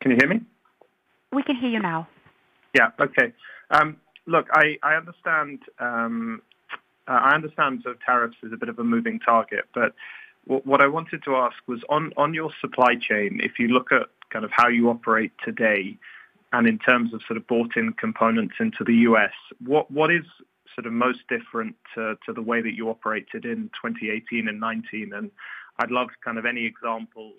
Can you hear me? We can hear you now. Yeah. Okay. Look, I understand sort of tariffs is a bit of a moving target. What I wanted to ask was on your supply chain, if you look at kind of how you operate today and in terms of sort of bought-in components into the US, what is sort of most different to the way that you operated in 2018 and 2019? I would love kind of any examples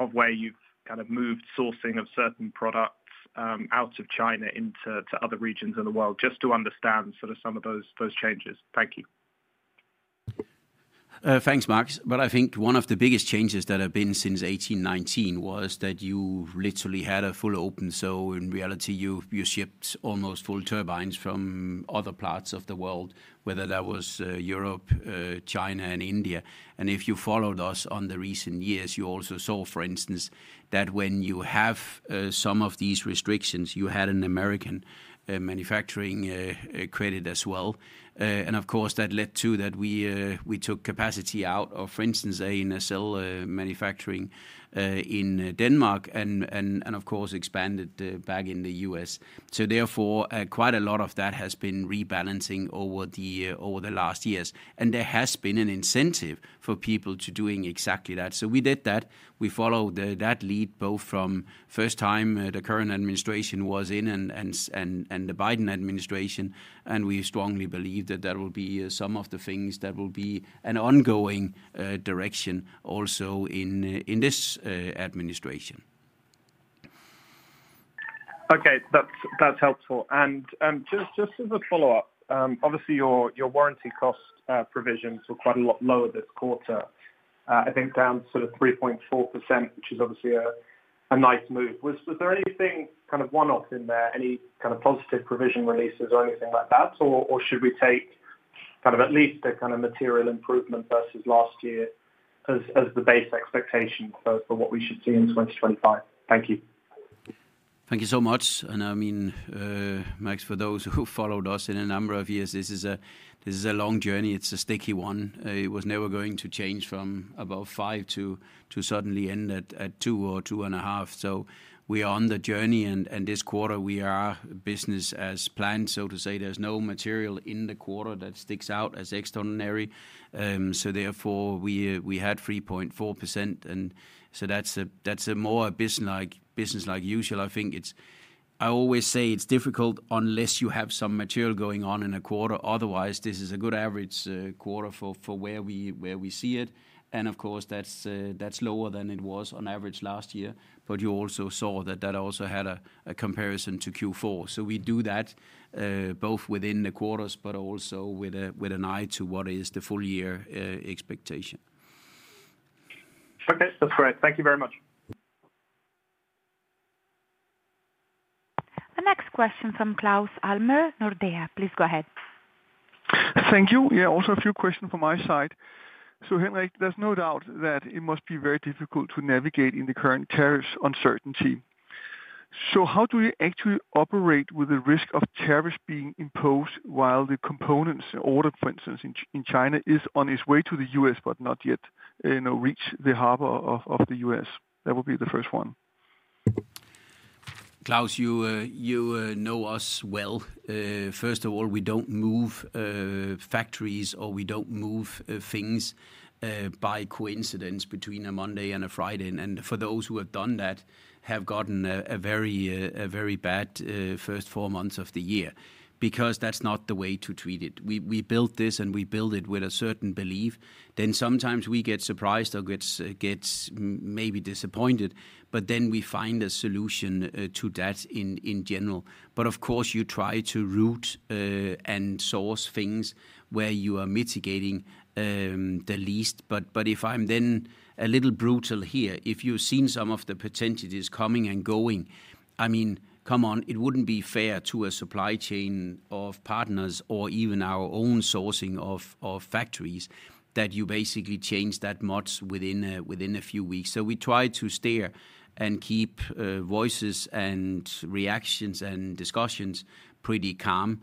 of where you have kind of moved sourcing of certain products out of China into other regions in the world just to understand sort of some of those changes. Thank you. Thanks, Max. I think one of the biggest changes that have been since 2018, 2019 was that you literally had a full open. In reality, you shipped almost full turbines from other parts of the world, whether that was Europe, China, and India. If you followed us in recent years, you also saw, for instance, that when you have some of these restrictions, you had an American manufacturing credit as well. That led to us taking capacity out of, for instance, ANSL manufacturing in Denmark and, of course, expanding back in the US. Therefore, quite a lot of that has been rebalancing over the last years. There has been an incentive for people to do exactly that. We did that. We followed that lead both from the first time the current administration was in and the Biden administration. We strongly believe that will be some of the things that will be an ongoing direction also in this administration. Okay. That's helpful. Just as a follow-up, obviously, your warranty cost provisions were quite a lot lower this quarter, I think down to sort of 3.4%, which is obviously a nice move. Was there anything kind of one-off in there, any kind of positive provision releases or anything like that? Should we take kind of at least a kind of material improvement versus last year as the base expectation for what we should see in 2025? Thank you. Thank you so much. I mean, Max, for those who followed us in a number of years, this is a long journey. It's a sticky one. It was never going to change from above 5% to suddenly end at 2% or 2.5%. We are on the journey. This quarter, we are business as planned, so to say. There's no material in the quarter that sticks out as extraordinary. Therefore, we had 3.4%. That's a more business-like usual. I think I always say it's difficult unless you have some material going on in a quarter. Otherwise, this is a good average quarter for where we see it. Of course, that's lower than it was on average last year. You also saw that that also had a comparison to Q4. We do that both within the quarters, but also with an eye to what is the full-year expectation. Okay. That's great. Thank you very much. The next question from Claus Almer, Nordea. Please go ahead. Thank you. Yeah. Also a few questions from my side. Henrik, there's no doubt that it must be very difficult to navigate in the current tariffs uncertainty. How do you actually operate with the risk of tariffs being imposed while the components ordered, for instance, in China is on its way to the US, but not yet reached the harbor of the US? That would be the first one. Claus, you know us well. First of all, we don't move factories or we don't move things by coincidence between a Monday and a Friday. For those who have done that, have gotten a very bad first four months of the year because that's not the way to treat it. We built this and we build it with a certain belief. Sometimes we get surprised or get maybe disappointed, but we find a solution to that in general. Of course, you try to route and source things where you are mitigating the least. If I'm then a little brutal here, if you've seen some of the percentages coming and going, I mean, come on, it wouldn't be fair to a supply chain of partners or even our own sourcing of factories that you basically change that much within a few weeks. We try to stare and keep voices and reactions and discussions pretty calm.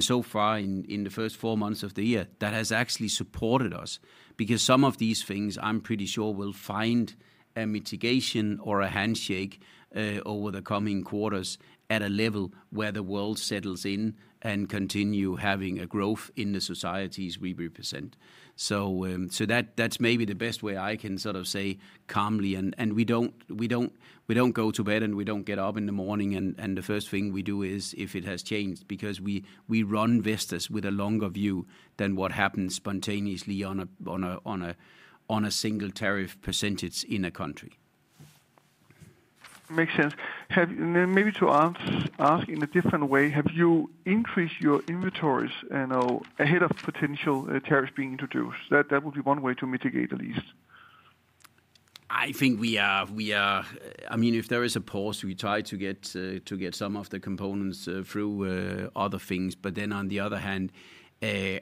So far in the first four months of the year, that has actually supported us because some of these things I'm pretty sure will find a mitigation or a handshake over the coming quarters at a level where the world settles in and continues having a growth in the societies we represent. That's maybe the best way I can sort of say calmly. We don't go to bed and we don't get up in the morning. The first thing we do is if it has changed because we run Vestas with a longer view than what happens spontaneously on a single tariff percentage in a country. Makes sense. Maybe to ask in a different way, have you increased your inventories ahead of potential tariffs being introduced? That would be one way to mitigate at least. I think we are, I mean, if there is a pause, we try to get some of the components through other things. On the other hand,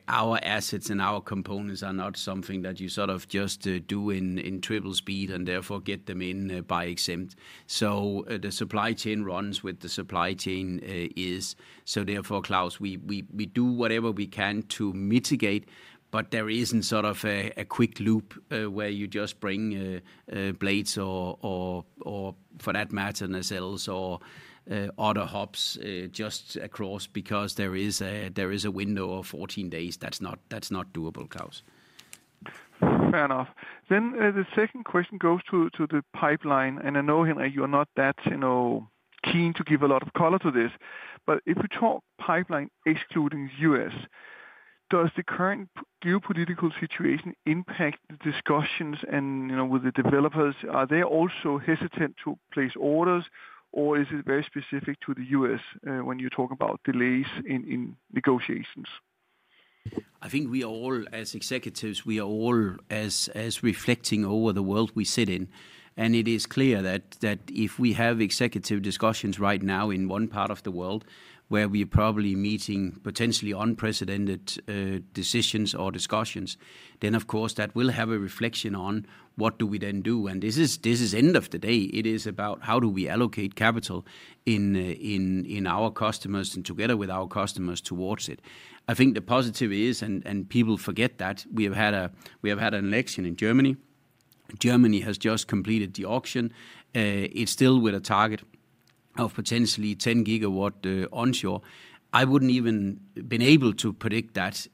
our assets and our components are not something that you sort of just do in triple speed and therefore get them in by exempt. The supply chain runs with the supply chain is. Therefore, Claus, we do whatever we can to mitigate, but there is not sort of a quick loop where you just bring blades or, for that matter, nacelles or other hubs just across because there is a window of 14 days. That is not doable, Claus. Fair enough. The second question goes to the pipeline. I know, Henrik, you are not that keen to give a lot of color to this. If we talk pipeline excluding the US, does the current geopolitical situation impact the discussions with the developers? Are they also hesitant to place orders, or is it very specific to the US when you talk about delays in negotiations? I think we are all, as executives, we are all reflecting over the world we sit in. It is clear that if we have executive discussions right now in one part of the world where we are probably meeting potentially unprecedented decisions or discussions, of course, that will have a reflection on what do we then do. This is end of the day. It is about how do we allocate capital in our customers and together with our customers towards it. I think the positive is, and people forget that we have had an election in Germany. Germany has just completed the auction. It's still with a target of potentially 10 GW onshore. I would not even have been able to predict that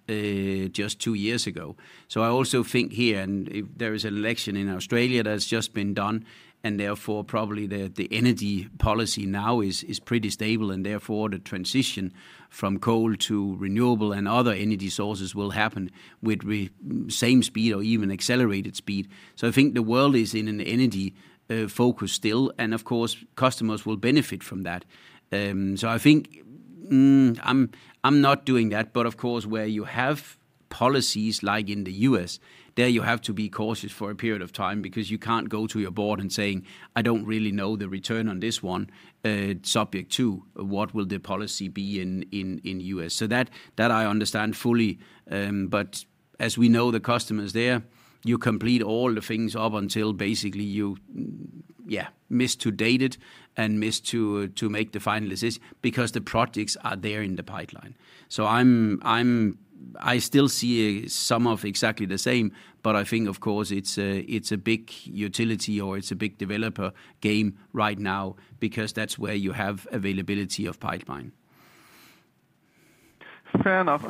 just two years ago. I also think here, and there is an election in Australia that has just been done. Therefore, probably the energy policy now is pretty stable. Therefore, the transition from coal to renewable and other energy sources will happen with the same speed or even accelerated speed. I think the world is in an energy focus still. Of course, customers will benefit from that. I think I am not doing that. Of course, where you have policies like in the U.S., you have to be cautious for a period of time because you cannot go to your board and say, "I do not really know the return on this one." Subject to what will the policy be in the U.S.? I understand fully. As we know the customers there, you complete all the things up until basically you, yeah, miss to date it and miss to make the final decision because the projects are there in the pipeline. I still see some of exactly the same, but I think, of course, it's a big utility or it's a big developer game right now because that's where you have availability of pipeline. Fair enough.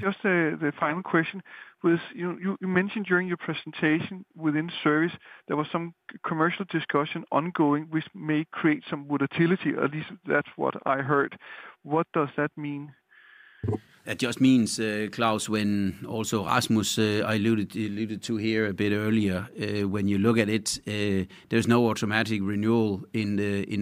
Just the final question was you mentioned during your presentation within service, there was some commercial discussion ongoing which may create some volatility. At least that's what I heard. What does that mean? It just means, Claus, when also Rasmus alluded to here a bit earlier, when you look at it, there's no automatic renewal in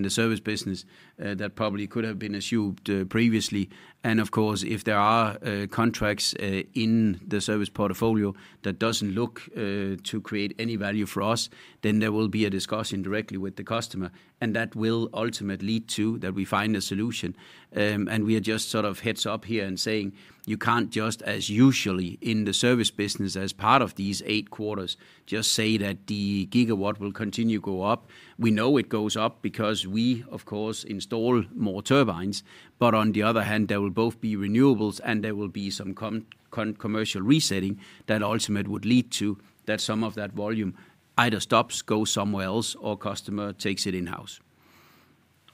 the service business that probably could have been assumed previously. Of course, if there are contracts in the service portfolio that doesn't look to create any value for us, then there will be a discussion directly with the customer. That will ultimately lead to that we find a solution. We are just sort of heads up here and saying, "You can't just, as usually in the service business, as part of these eight quarters, just say that the gigawatt will continue to go up." We know it goes up because we, of course, install more turbines. On the other hand, there will both be renewables and there will be some commercial resetting that ultimately would lead to that some of that volume either stops, goes somewhere else, or the customer takes it in-house.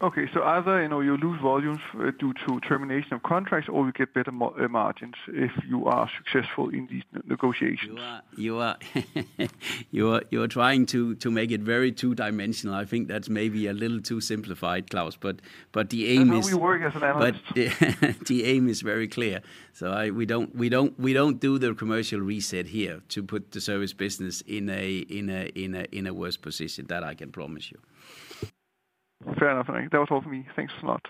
Okay. Either you lose volumes due to termination of contracts or you get better margins if you are successful in these negotiations. You are trying to make it very two-dimensional. I think that's maybe a little too simplified, Claus. The aim is— How do we work as an analyst? The aim is very clear. We do not do the commercial reset here to put the service business in a worse position, that I can promise you. Fair enough, Henrik. That was all for me. Thanks a lot.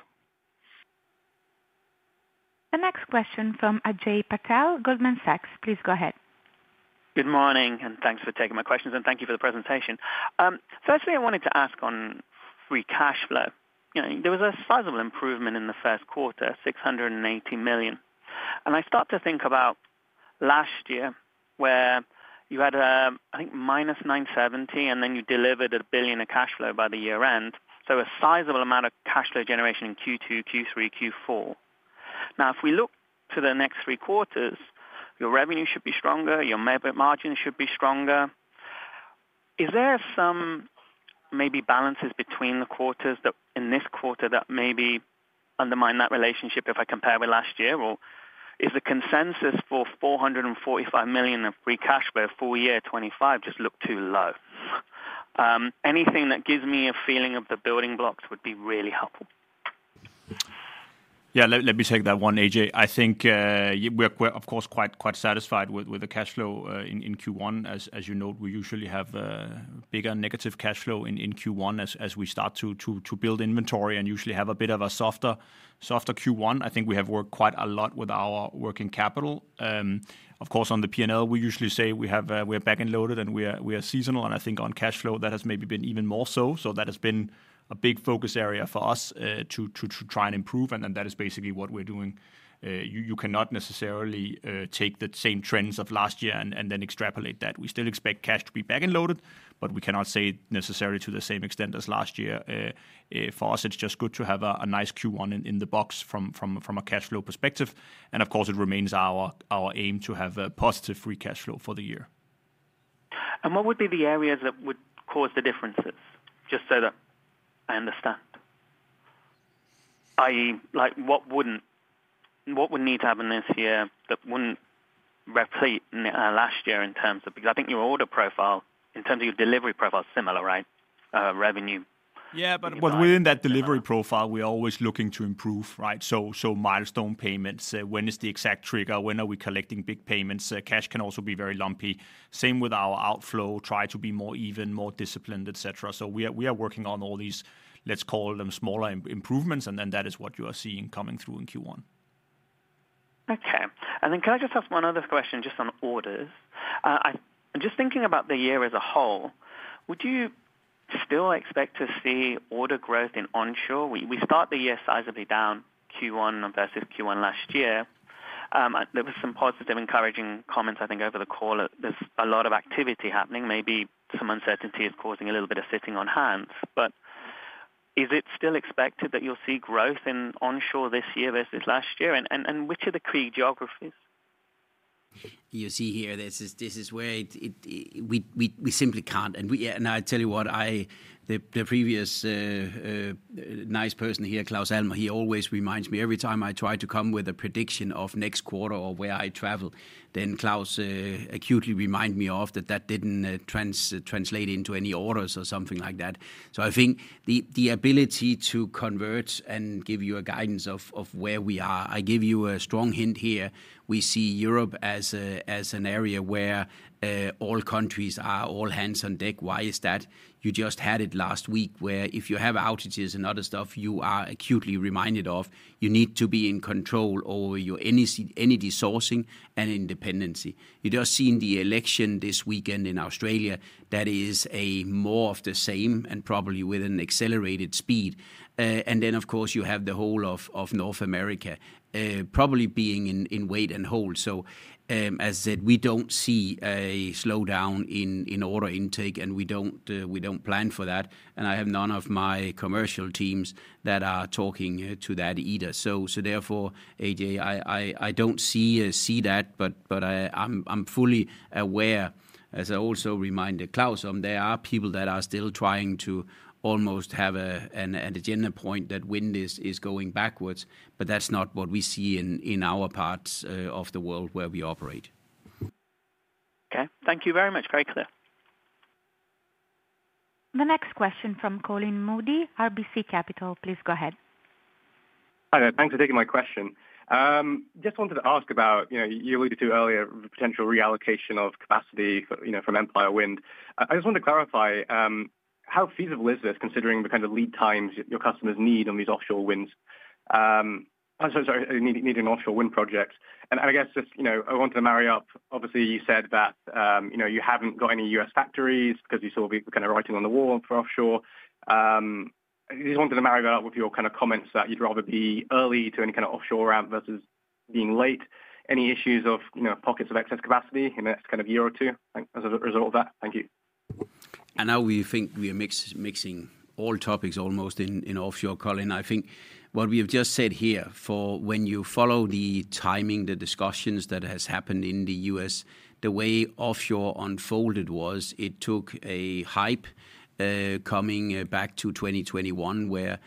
The next question from Ajay Patel, Goldman Sachs. Please go ahead. Good morning and thanks for taking my questions and thank you for the presentation. Firstly, I wanted to ask on free cash flow. There was a sizable improvement in the first quarter, 680 million. I start to think about last year where you had, I think, -970 million and then you delivered 1 billion of cash flow by the year-end. A sizable amount of cash flow generation in Q2, Q3, Q4. Now, if we look to the next three quarters, your revenue should be stronger, your margin should be stronger. Is there some maybe balances between the quarters in this quarter that maybe undermine that relationship if I compare with last year? Or is the consensus for 445 million of free cash flow for year 2025 just look too low? Anything that gives me a feeling of the building blocks would be really helpful. Yeah, let me take that one, Ajay. I think we're, of course, quite satisfied with the cash flow in Q1. As you note, we usually have bigger negative cash flow in Q1 as we start to build inventory and usually have a bit of a softer Q1. I think we have worked quite a lot with our working capital. Of course, on the P&L, we usually say we are back and loaded and we are seasonal. I think on cash flow, that has maybe been even more so. That has been a big focus area for us to try and improve. That is basically what we're doing. You cannot necessarily take the same trends of last year and extrapolate that. We still expect cash to be back and loaded, but we cannot say necessarily to the same extent as last year. For us, it's just good to have a nice Q1 in the box from a cash flow perspective. Of course, it remains our aim to have a positive free cash flow for the year. What would be the areas that would cause the differences? Just so that I understand. I.e., what would need to happen this year that would not repeat last year in terms of—because I think your order profile, in terms of your delivery profile, is similar, right? Revenue. Yeah, but within that delivery profile, we're always looking to improve, right? Milestone payments, when is the exact trigger, when are we collecting big payments? Cash can also be very lumpy. Same with our outflow, try to be more even, more disciplined, etc. We are working on all these, let's call them smaller improvements, and that is what you are seeing coming through in Q1. Okay. Can I just ask one other question just on orders? Just thinking about the year as a whole, would you still expect to see order growth in onshore? We start the year sizably down Q1 versus Q1 last year. There were some positive encouraging comments, I think, over the call. There's a lot of activity happening. Maybe some uncertainty is causing a little bit of sitting on hands. Is it still expected that you'll see growth in onshore this year versus last year? Which are the key geographies? You see, this is where we simply can't. I tell you what, the previous nice person here, Claus Almer, always reminds me every time I try to come with a prediction of next quarter or where I travel, then Claus acutely reminds me that that did not translate into any orders or something like that. I think the ability to convert and give you a guidance of where we are, I give you a strong hint here. We see Europe as an area where all countries are all hands on deck. Why is that? You just had it last week where if you have outages and other stuff, you are acutely reminded of you need to be in control over your energy sourcing and independency. You just seen the election this weekend in Australia. That is more of the same and probably with an accelerated speed. Of course, you have the whole of North America probably being in wait and hold. As I said, we do not see a slowdown in order intake, and we do not plan for that. I have none of my commercial teams that are talking to that either. Therefore, Ajay, I do not see that, but I am fully aware, as I also reminded Claus, there are people that are still trying to almost have an agenda point that when this is going backwards, but that is not what we see in our parts of the world where we operate. Okay. Thank you very much. Very clear. The next question from Colin Moody, RBC Capital. Please go ahead. Thanks for taking my question. Just wanted to ask about you alluded to earlier potential reallocation of capacity from Empire Wind. I just want to clarify, how feasible is this considering the kind of lead times your customers need on these offshore winds? Sorry, needing an offshore wind project. I guess just I wanted to marry up, obviously, you said that you have not got any US factories because you saw kind of writing on the wall for offshore. I just wanted to marry that up with your kind of comments that you'd rather be early to any kind of offshore route versus being late. Any issues of pockets of excess capacity in the next kind of year or two as a result of that? Thank you. We think we are mixing all topics almost in offshore, Colin. I think what we have just said here, for when you follow the timing, the discussions that have happened in the U.S., the way offshore unfolded was it took a hype coming back to 2021 where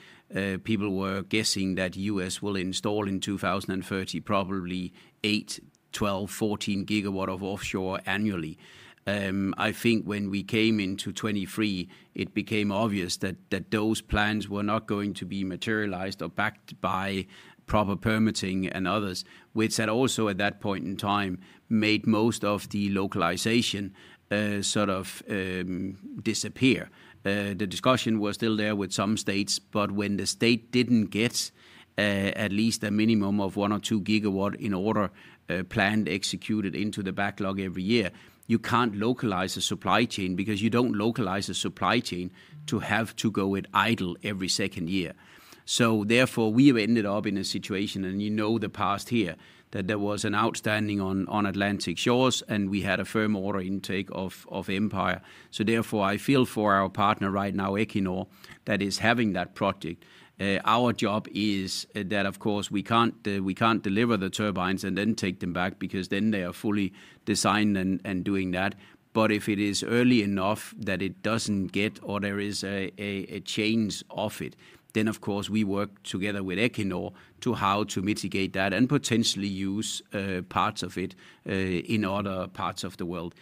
people were guessing that the U.S. will install in 2030 probably 8, 12, 14 GW of offshore annually. I think when we came into 2023, it became obvious that those plans were not going to be materialized or backed by proper permitting and others, which had also at that point in time made most of the localization sort of disappear. The discussion was still there with some states, but when the state did not get at least a minimum of 1 GW or 2 GW in order planned executed into the backlog every year, you cannot localize a supply chain because you do not localize a supply chain to have to go at idle every second year. Therefore, we have ended up in a situation, and you know the past here that there was an outstanding on Atlantic Shores and we had a firm order intake of Empire. Therefore, I feel for our partner right now, Equinor, that is having that project. Our job is that, of course, we can't deliver the turbines and then take them back because then they are fully designed and doing that. If it is early enough that it doesn't get or there is a change of it, then of course, we work together with Equinor to how to mitigate that and potentially use parts of it in other parts of the world.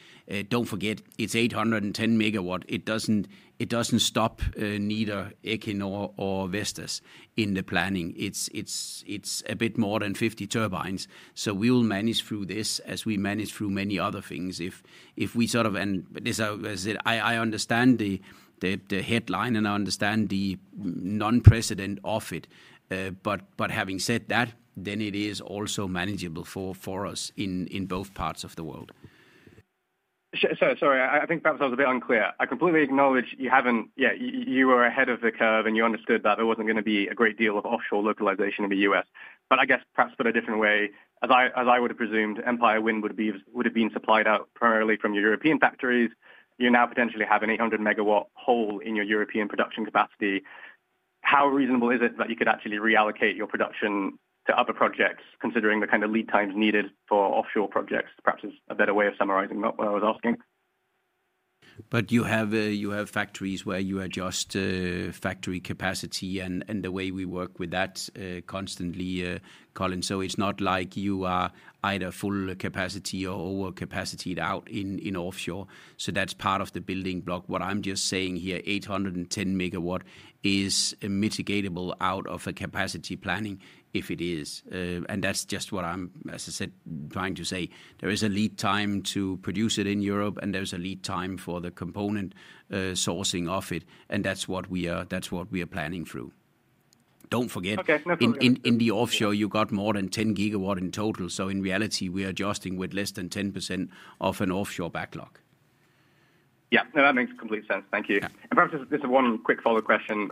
Don't forget, it's 810 MW. It doesn't stop neither Equinor or Vestas in the planning. It's a bit more than 50 turbines. We will manage through this as we manage through many other things. If we sort of, and as I said, I understand the headline and I understand the non-president of it. Having said that, it is also manageable for us in both parts of the world. Sorry, I think perhaps I was a bit unclear. I completely acknowledge you haven't, yeah, you were ahead of the curve and you understood that there wasn't going to be a great deal of offshore localization in the U.S. I guess perhaps put a different way, as I would have presumed, Empire Wind would have been supplied out primarily from your European factories. You now potentially have an 800 MW hole in your European production capacity. How reasonable is it that you could actually reallocate your production to other projects considering the kind of lead times needed for offshore projects? Perhaps it's a better way of summarizing what I was asking. You have factories where you adjust factory capacity and the way we work with that constantly, Colin. It is not like you are either full capacity or overcapacity out in offshore. That is part of the building block. What I'm just saying here, 810 MW is mitigatable out of a capacity planning if it is. That's just what I'm, as I said, trying to say. There is a lead time to produce it in Europe and there's a lead time for the component sourcing of it. That's what we are planning through. Don't forget, in the offshore, you got more than 10 GW in total. In reality, we are adjusting with less than 10% of an offshore backlog. Yeah, that makes complete sense. Thank you. Perhaps just one quick follow-up question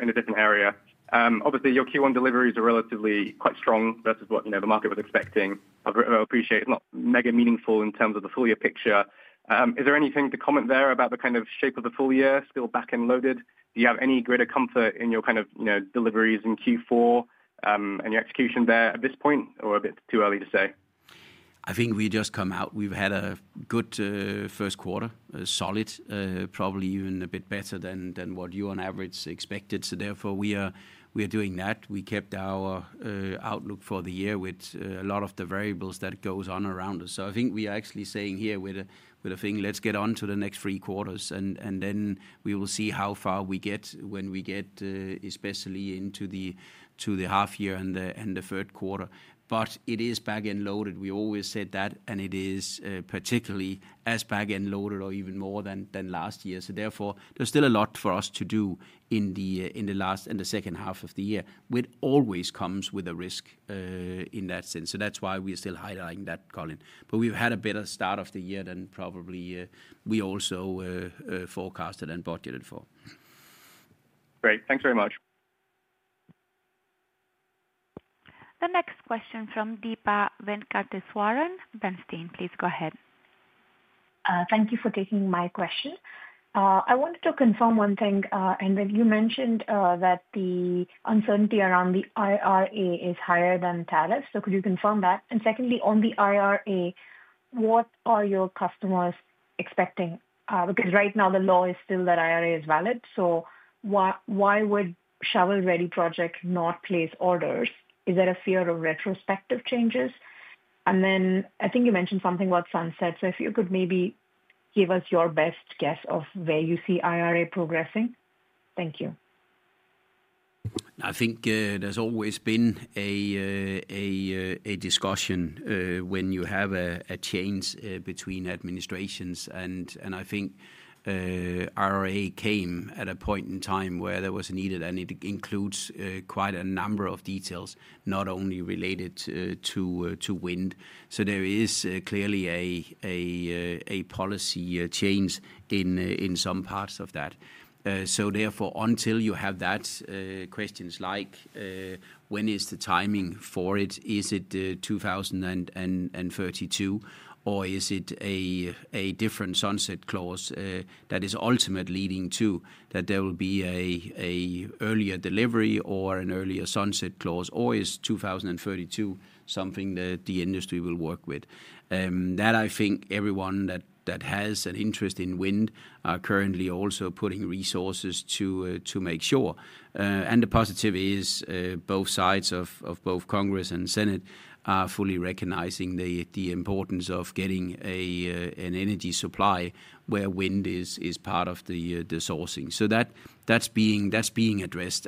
in a different area. Obviously, your Q1 deliveries are relatively quite strong versus what the market was expecting. I appreciate it's not mega meaningful in terms of the full year picture. Is there anything to comment there about the kind of shape of the full year, still back and loaded? Do you have any greater comfort in your kind of deliveries in Q4 and your execution there at this point or a bit too early to say? I think we just come out. We've had a good first quarter, solid, probably even a bit better than what you on average expected. We are doing that. We kept our outlook for the year with a lot of the variables that goes on around us. I think we are actually saying here with a thing, let's get on to the next three quarters and then we will see how far we get when we get especially into the half year and the third quarter. It is back and loaded. We always said that and it is particularly as back and loaded or even more than last year. Therefore, there's still a lot for us to do in the last and the second half of the year, which always comes with a risk in that sense. That's why we're still highlighting that, Colin. We've had a better start of the year than probably we also forecasted and budgeted for. Great. Thanks very much. The next question from Deepa Venkateswaran, Bernstein. Please go ahead. Thank you for taking my question. I wanted to confirm one thing. You mentioned that the uncertainty around the IRA is higher than tariffs. Could you confirm that? Secondly, on the IRA, what are your customers expecting? Because right now the law is still that IRA is valid. Why would shovel-ready projects not place orders? Is there a fear of retrospective changes? I think you mentioned something about sunset. If you could maybe give us your best guess of where you see IRA progressing. Thank you. I think there's always been a discussion when you have a change between administrations. I think IRA came at a point in time where there was a need and it includes quite a number of details, not only related to wind. There is clearly a policy change in some parts of that. Therefore, until you have that, questions like when is the timing for it? Is it 2032 or is it a different sunset clause that is ultimately leading to that there will be an earlier delivery or an earlier sunset clause? Or is 2032 something that the industry will work with? That I think everyone that has an interest in wind are currently also putting resources to make sure. The positive is both sides of both Congress and Senate are fully recognizing the importance of getting an energy supply where wind is part of the sourcing. That is being addressed.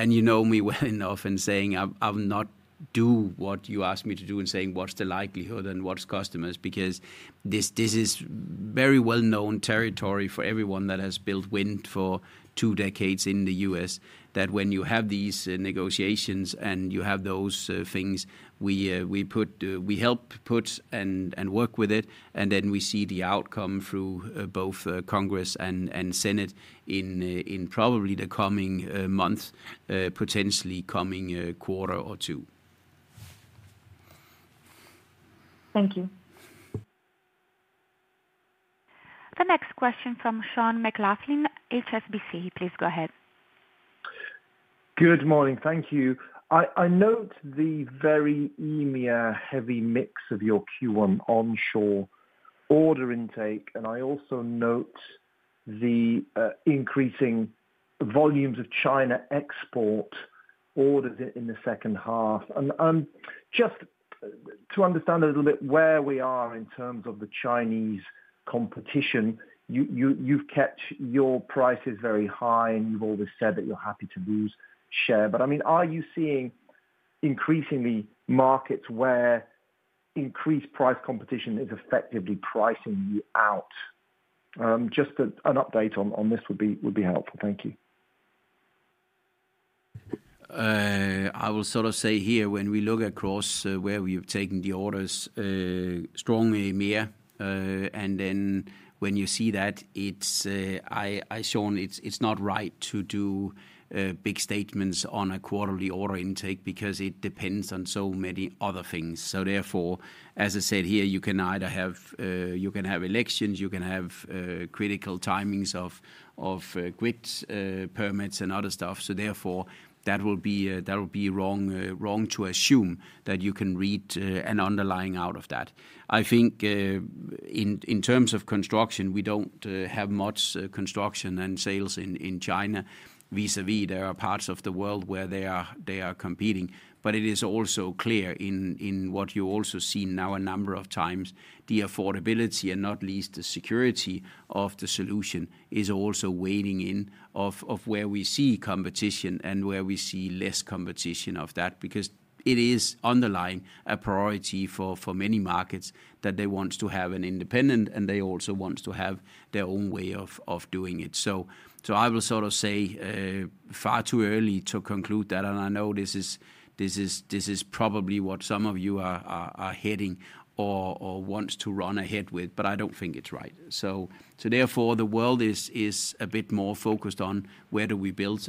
You know me well enough in saying I will not do what you ask me to do in saying what is the likelihood and what is customers because this is very well-known territory for everyone that has built wind for two decades in the US that when you have these negotiations and you have those things, we help put and work with it. We see the outcome through both Congress and Senate in probably the coming month, potentially coming quarter or two. Thank you. The next question from Sean McLoughlin, HSBC. Please go ahead. Good morning. Thank you. I note the very email heavy mix of your Q1 onshore order intake, and I also note the increasing volumes of China export orders in the second half. I also want to understand a little bit where we are in terms of the Chinese competition. You've kept your prices very high and you've always said that you're happy to lose share. I mean, are you seeing increasingly markets where increased price competition is effectively pricing you out? Just an update on this would be helpful. Thank you. I will sort of say here when we look across where we have taken the orders strongly here. When you see that, I, Sean, it's not right to do big statements on a quarterly order intake because it depends on so many other things. Therefore, as I said here, you can either have elections, you can have critical timings of grid permits and other stuff. Therefore, that will be wrong to assume that you can read an underlying out of that. I think in terms of construction, we do not have much construction and sales in China vis-à-vis there are parts of the world where they are competing. It is also clear in what you also have seen now a number of times, the affordability and not least the security of the solution is also waning in of where we see competition and where we see less competition of that because it is underlying a priority for many markets that they want to have an independent and they also want to have their own way of doing it. I will sort of say far too early to conclude that. I know this is probably what some of you are heading or want to run ahead with, but I don't think it's right. Therefore, the world is a bit more focused on where we build.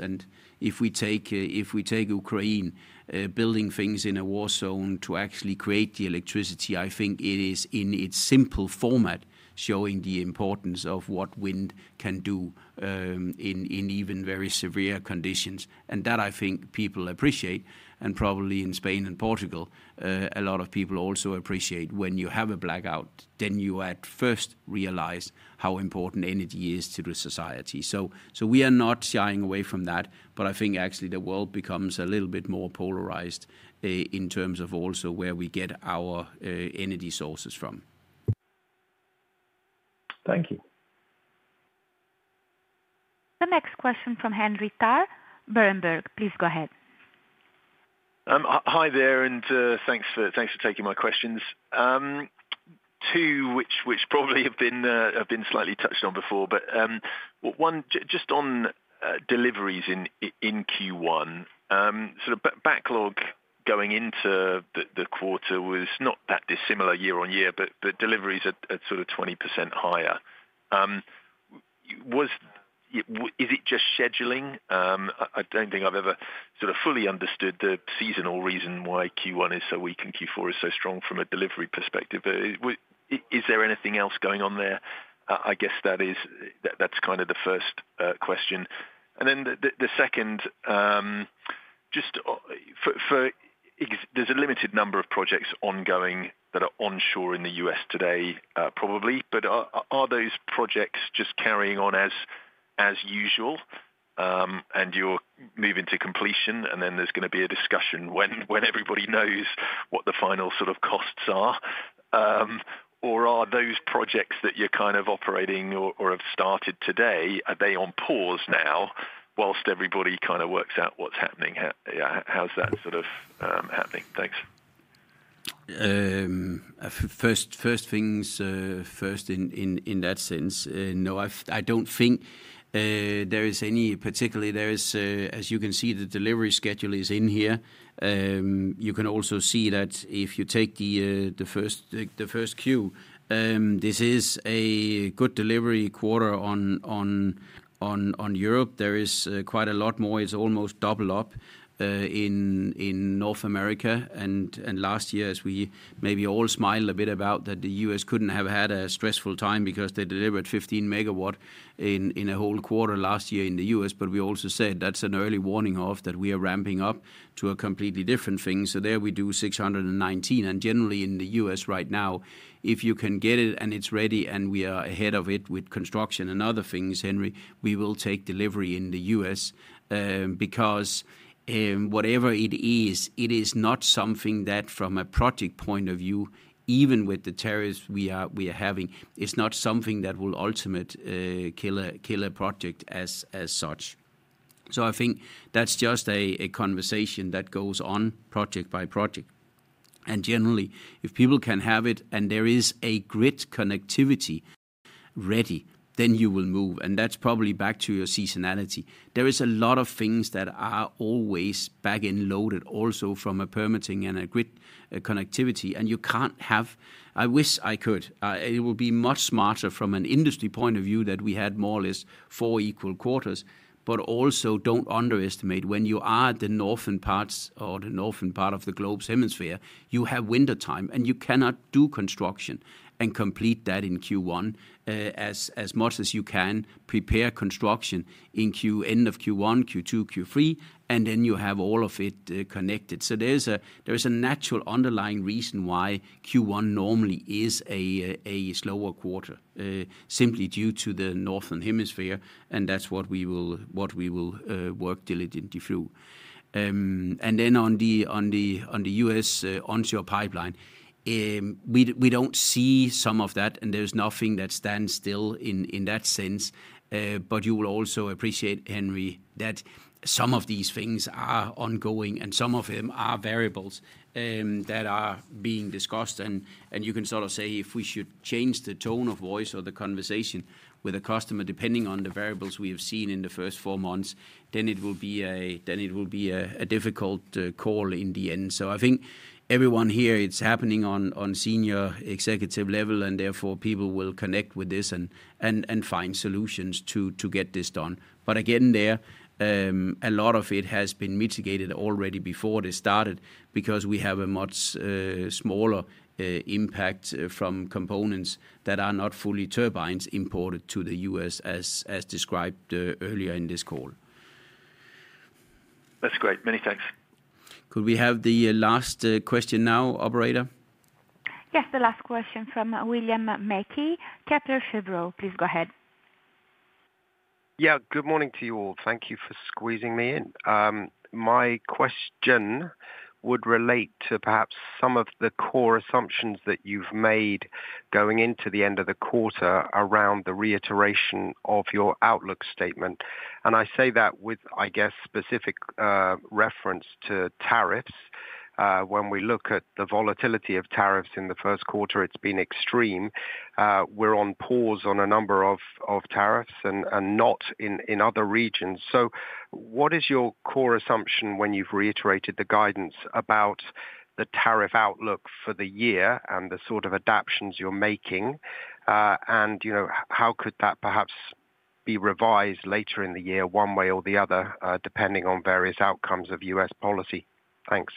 If we take Ukraine, building things in a war zone to actually create the electricity, I think it is in its simple format showing the importance of what wind can do in even very severe conditions. I think people appreciate that. Probably in Spain and Portugal, a lot of people also appreciate when you have a blackout, then you at first realize how important energy is to the society. We are not shying away from that, but I think actually the world becomes a little bit more polarized in terms of also where we get our energy sources from. Thank you. The next question from Henry Tarr, Berenberg, please go ahead. Hi there and thanks for taking my questions. Two, which probably have been slightly touched on before, but one, just on deliveries in Q1, sort of backlog going into the quarter was not that dissimilar year on year, but deliveries are sort of 20% higher. Is it just scheduling? I do not think I have ever sort of fully understood the seasonal reason why Q1 is so weak and Q4 is so strong from a delivery perspective. Is there anything else going on there? I guess that is kind of the first question. The second, just for there's a limited number of projects ongoing that are onshore in the US today probably, but are those projects just carrying on as usual and you're moving to completion and then there's going to be a discussion when everybody knows what the final sort of costs are? Are those projects that you're kind of operating or have started today, are they on pause now whilst everybody kind of works out what's happening? How's that sort of happening? Thanks. First things first in that sense. No, I don't think there is any particularly, as you can see, the delivery schedule is in here. You can also see that if you take the first quarter, this is a good delivery quarter on Europe. There is quite a lot more. It's almost double up in North America. Last year, as we maybe all smiled a bit about that the U.S. could not have had a stressful time because they delivered 15 MW in a whole quarter last year in the U.S. We also said that is an early warning of that we are ramping up to a completely different thing. There we do 619. Generally in the U.S. right now, if you can get it and it is ready and we are ahead of it with construction and other things, Henry, we will take delivery in the U.S. because whatever it is, it is not something that from a project point of view, even with the tariffs we are having, it is not something that will ultimately kill a project as such. I think that is just a conversation that goes on project by project. Generally, if people can have it and there is a grid connectivity ready, you will move. That is probably back to your seasonality. There are a lot of things that are always back and loaded also from a permitting and a grid connectivity. You cannot have, I wish I could. It would be much smarter from an industry point of view if we had more or less four equal quarters. Also, do not underestimate when you are at the northern parts or the northern part of the globe's hemisphere, you have winter time and you cannot do construction and complete that in Q1 as much as you can prepare construction in Q1, Q2, Q3, and then you have all of it connected. There is a natural underlying reason why Q1 normally is a slower quarter simply due to the northern hemisphere. That is what we will work diligently through. On the US onshore pipeline, we do not see some of that and there is nothing that stands still in that sense. You will also appreciate, Henry, that some of these things are ongoing and some of them are variables that are being discussed. You can sort of say if we should change the tone of voice or the conversation with a customer depending on the variables we have seen in the first four months, it will be a difficult call in the end. I think everyone here, it is happening on senior executive level and therefore people will connect with this and find solutions to get this done. Again, a lot of it has been mitigated already before they started because we have a much smaller impact from components that are not fully turbines imported to the U.S. as described earlier in this call. That's great. Many thanks. Could we have the last question now, operator? Yes, the last question from William Mackie, Kepler Cheuvreux, please go ahead. Yeah, good morning to you all. Thank you for squeezing me in. My question would relate to perhaps some of the core assumptions that you've made going into the end of the quarter around the reiteration of your outlook statement. I say that with, I guess, specific reference to tariffs. When we look at the volatility of tariffs in the first quarter, it's been extreme. We're on pause on a number of tariffs and not in other regions. What is your core assumption when you've reiterated the guidance about the tariff outlook for the year and the sort of adaptations you're making? How could that perhaps be revised later in the year one way or the other depending on various outcomes of U.S. policy? Thanks.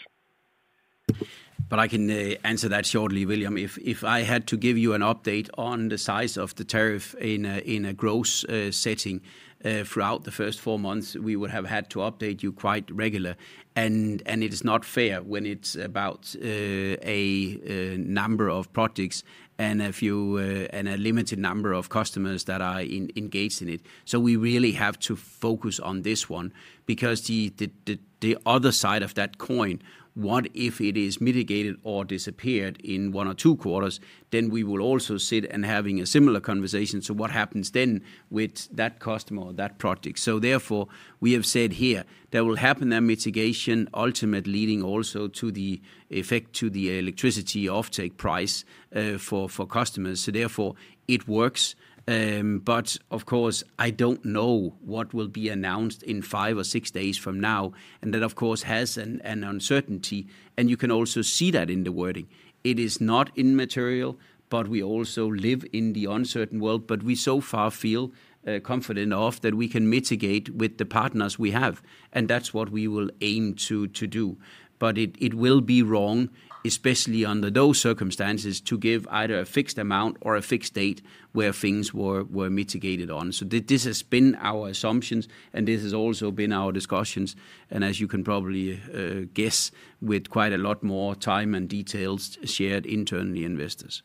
I can answer that shortly, William. If I had to give you an update on the size of the tariff in a gross setting throughout the first four months, we would have had to update you quite regularly. It is not fair when it's about a number of projects and a limited number of customers that are engaged in it. We really have to focus on this one because the other side of that coin, what if it is mitigated or disappeared in one or two quarters, then we will also sit and have a similar conversation. What happens then with that customer or that project? Therefore, we have said here there will happen that mitigation ultimately leading also to the effect to the electricity offtake price for customers. Therefore, it works. Of course, I do not know what will be announced in five or six days from now. That, of course, has an uncertainty. You can also see that in the wording. It is not immaterial, but we also live in the uncertain world. We so far feel confident enough that we can mitigate with the partners we have. That is what we will aim to do. It would be wrong, especially under those circumstances, to give either a fixed amount or a fixed date where things were mitigated on. This has been our assumptions and this has also been our discussions. As you can probably guess, with quite a lot more time and details shared internally, investors.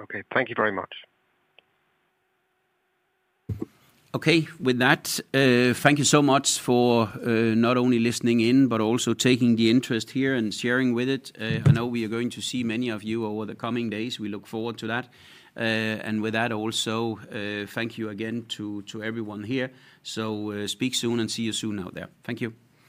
Okay, thank you very much. Okay, with that, thank you so much for not only listening in, but also taking the interest here and sharing with it. I know we are going to see many of you over the coming days. We look forward to that. With that, also thank you again to everyone here. Speak soon and see you soon out there. Thank you.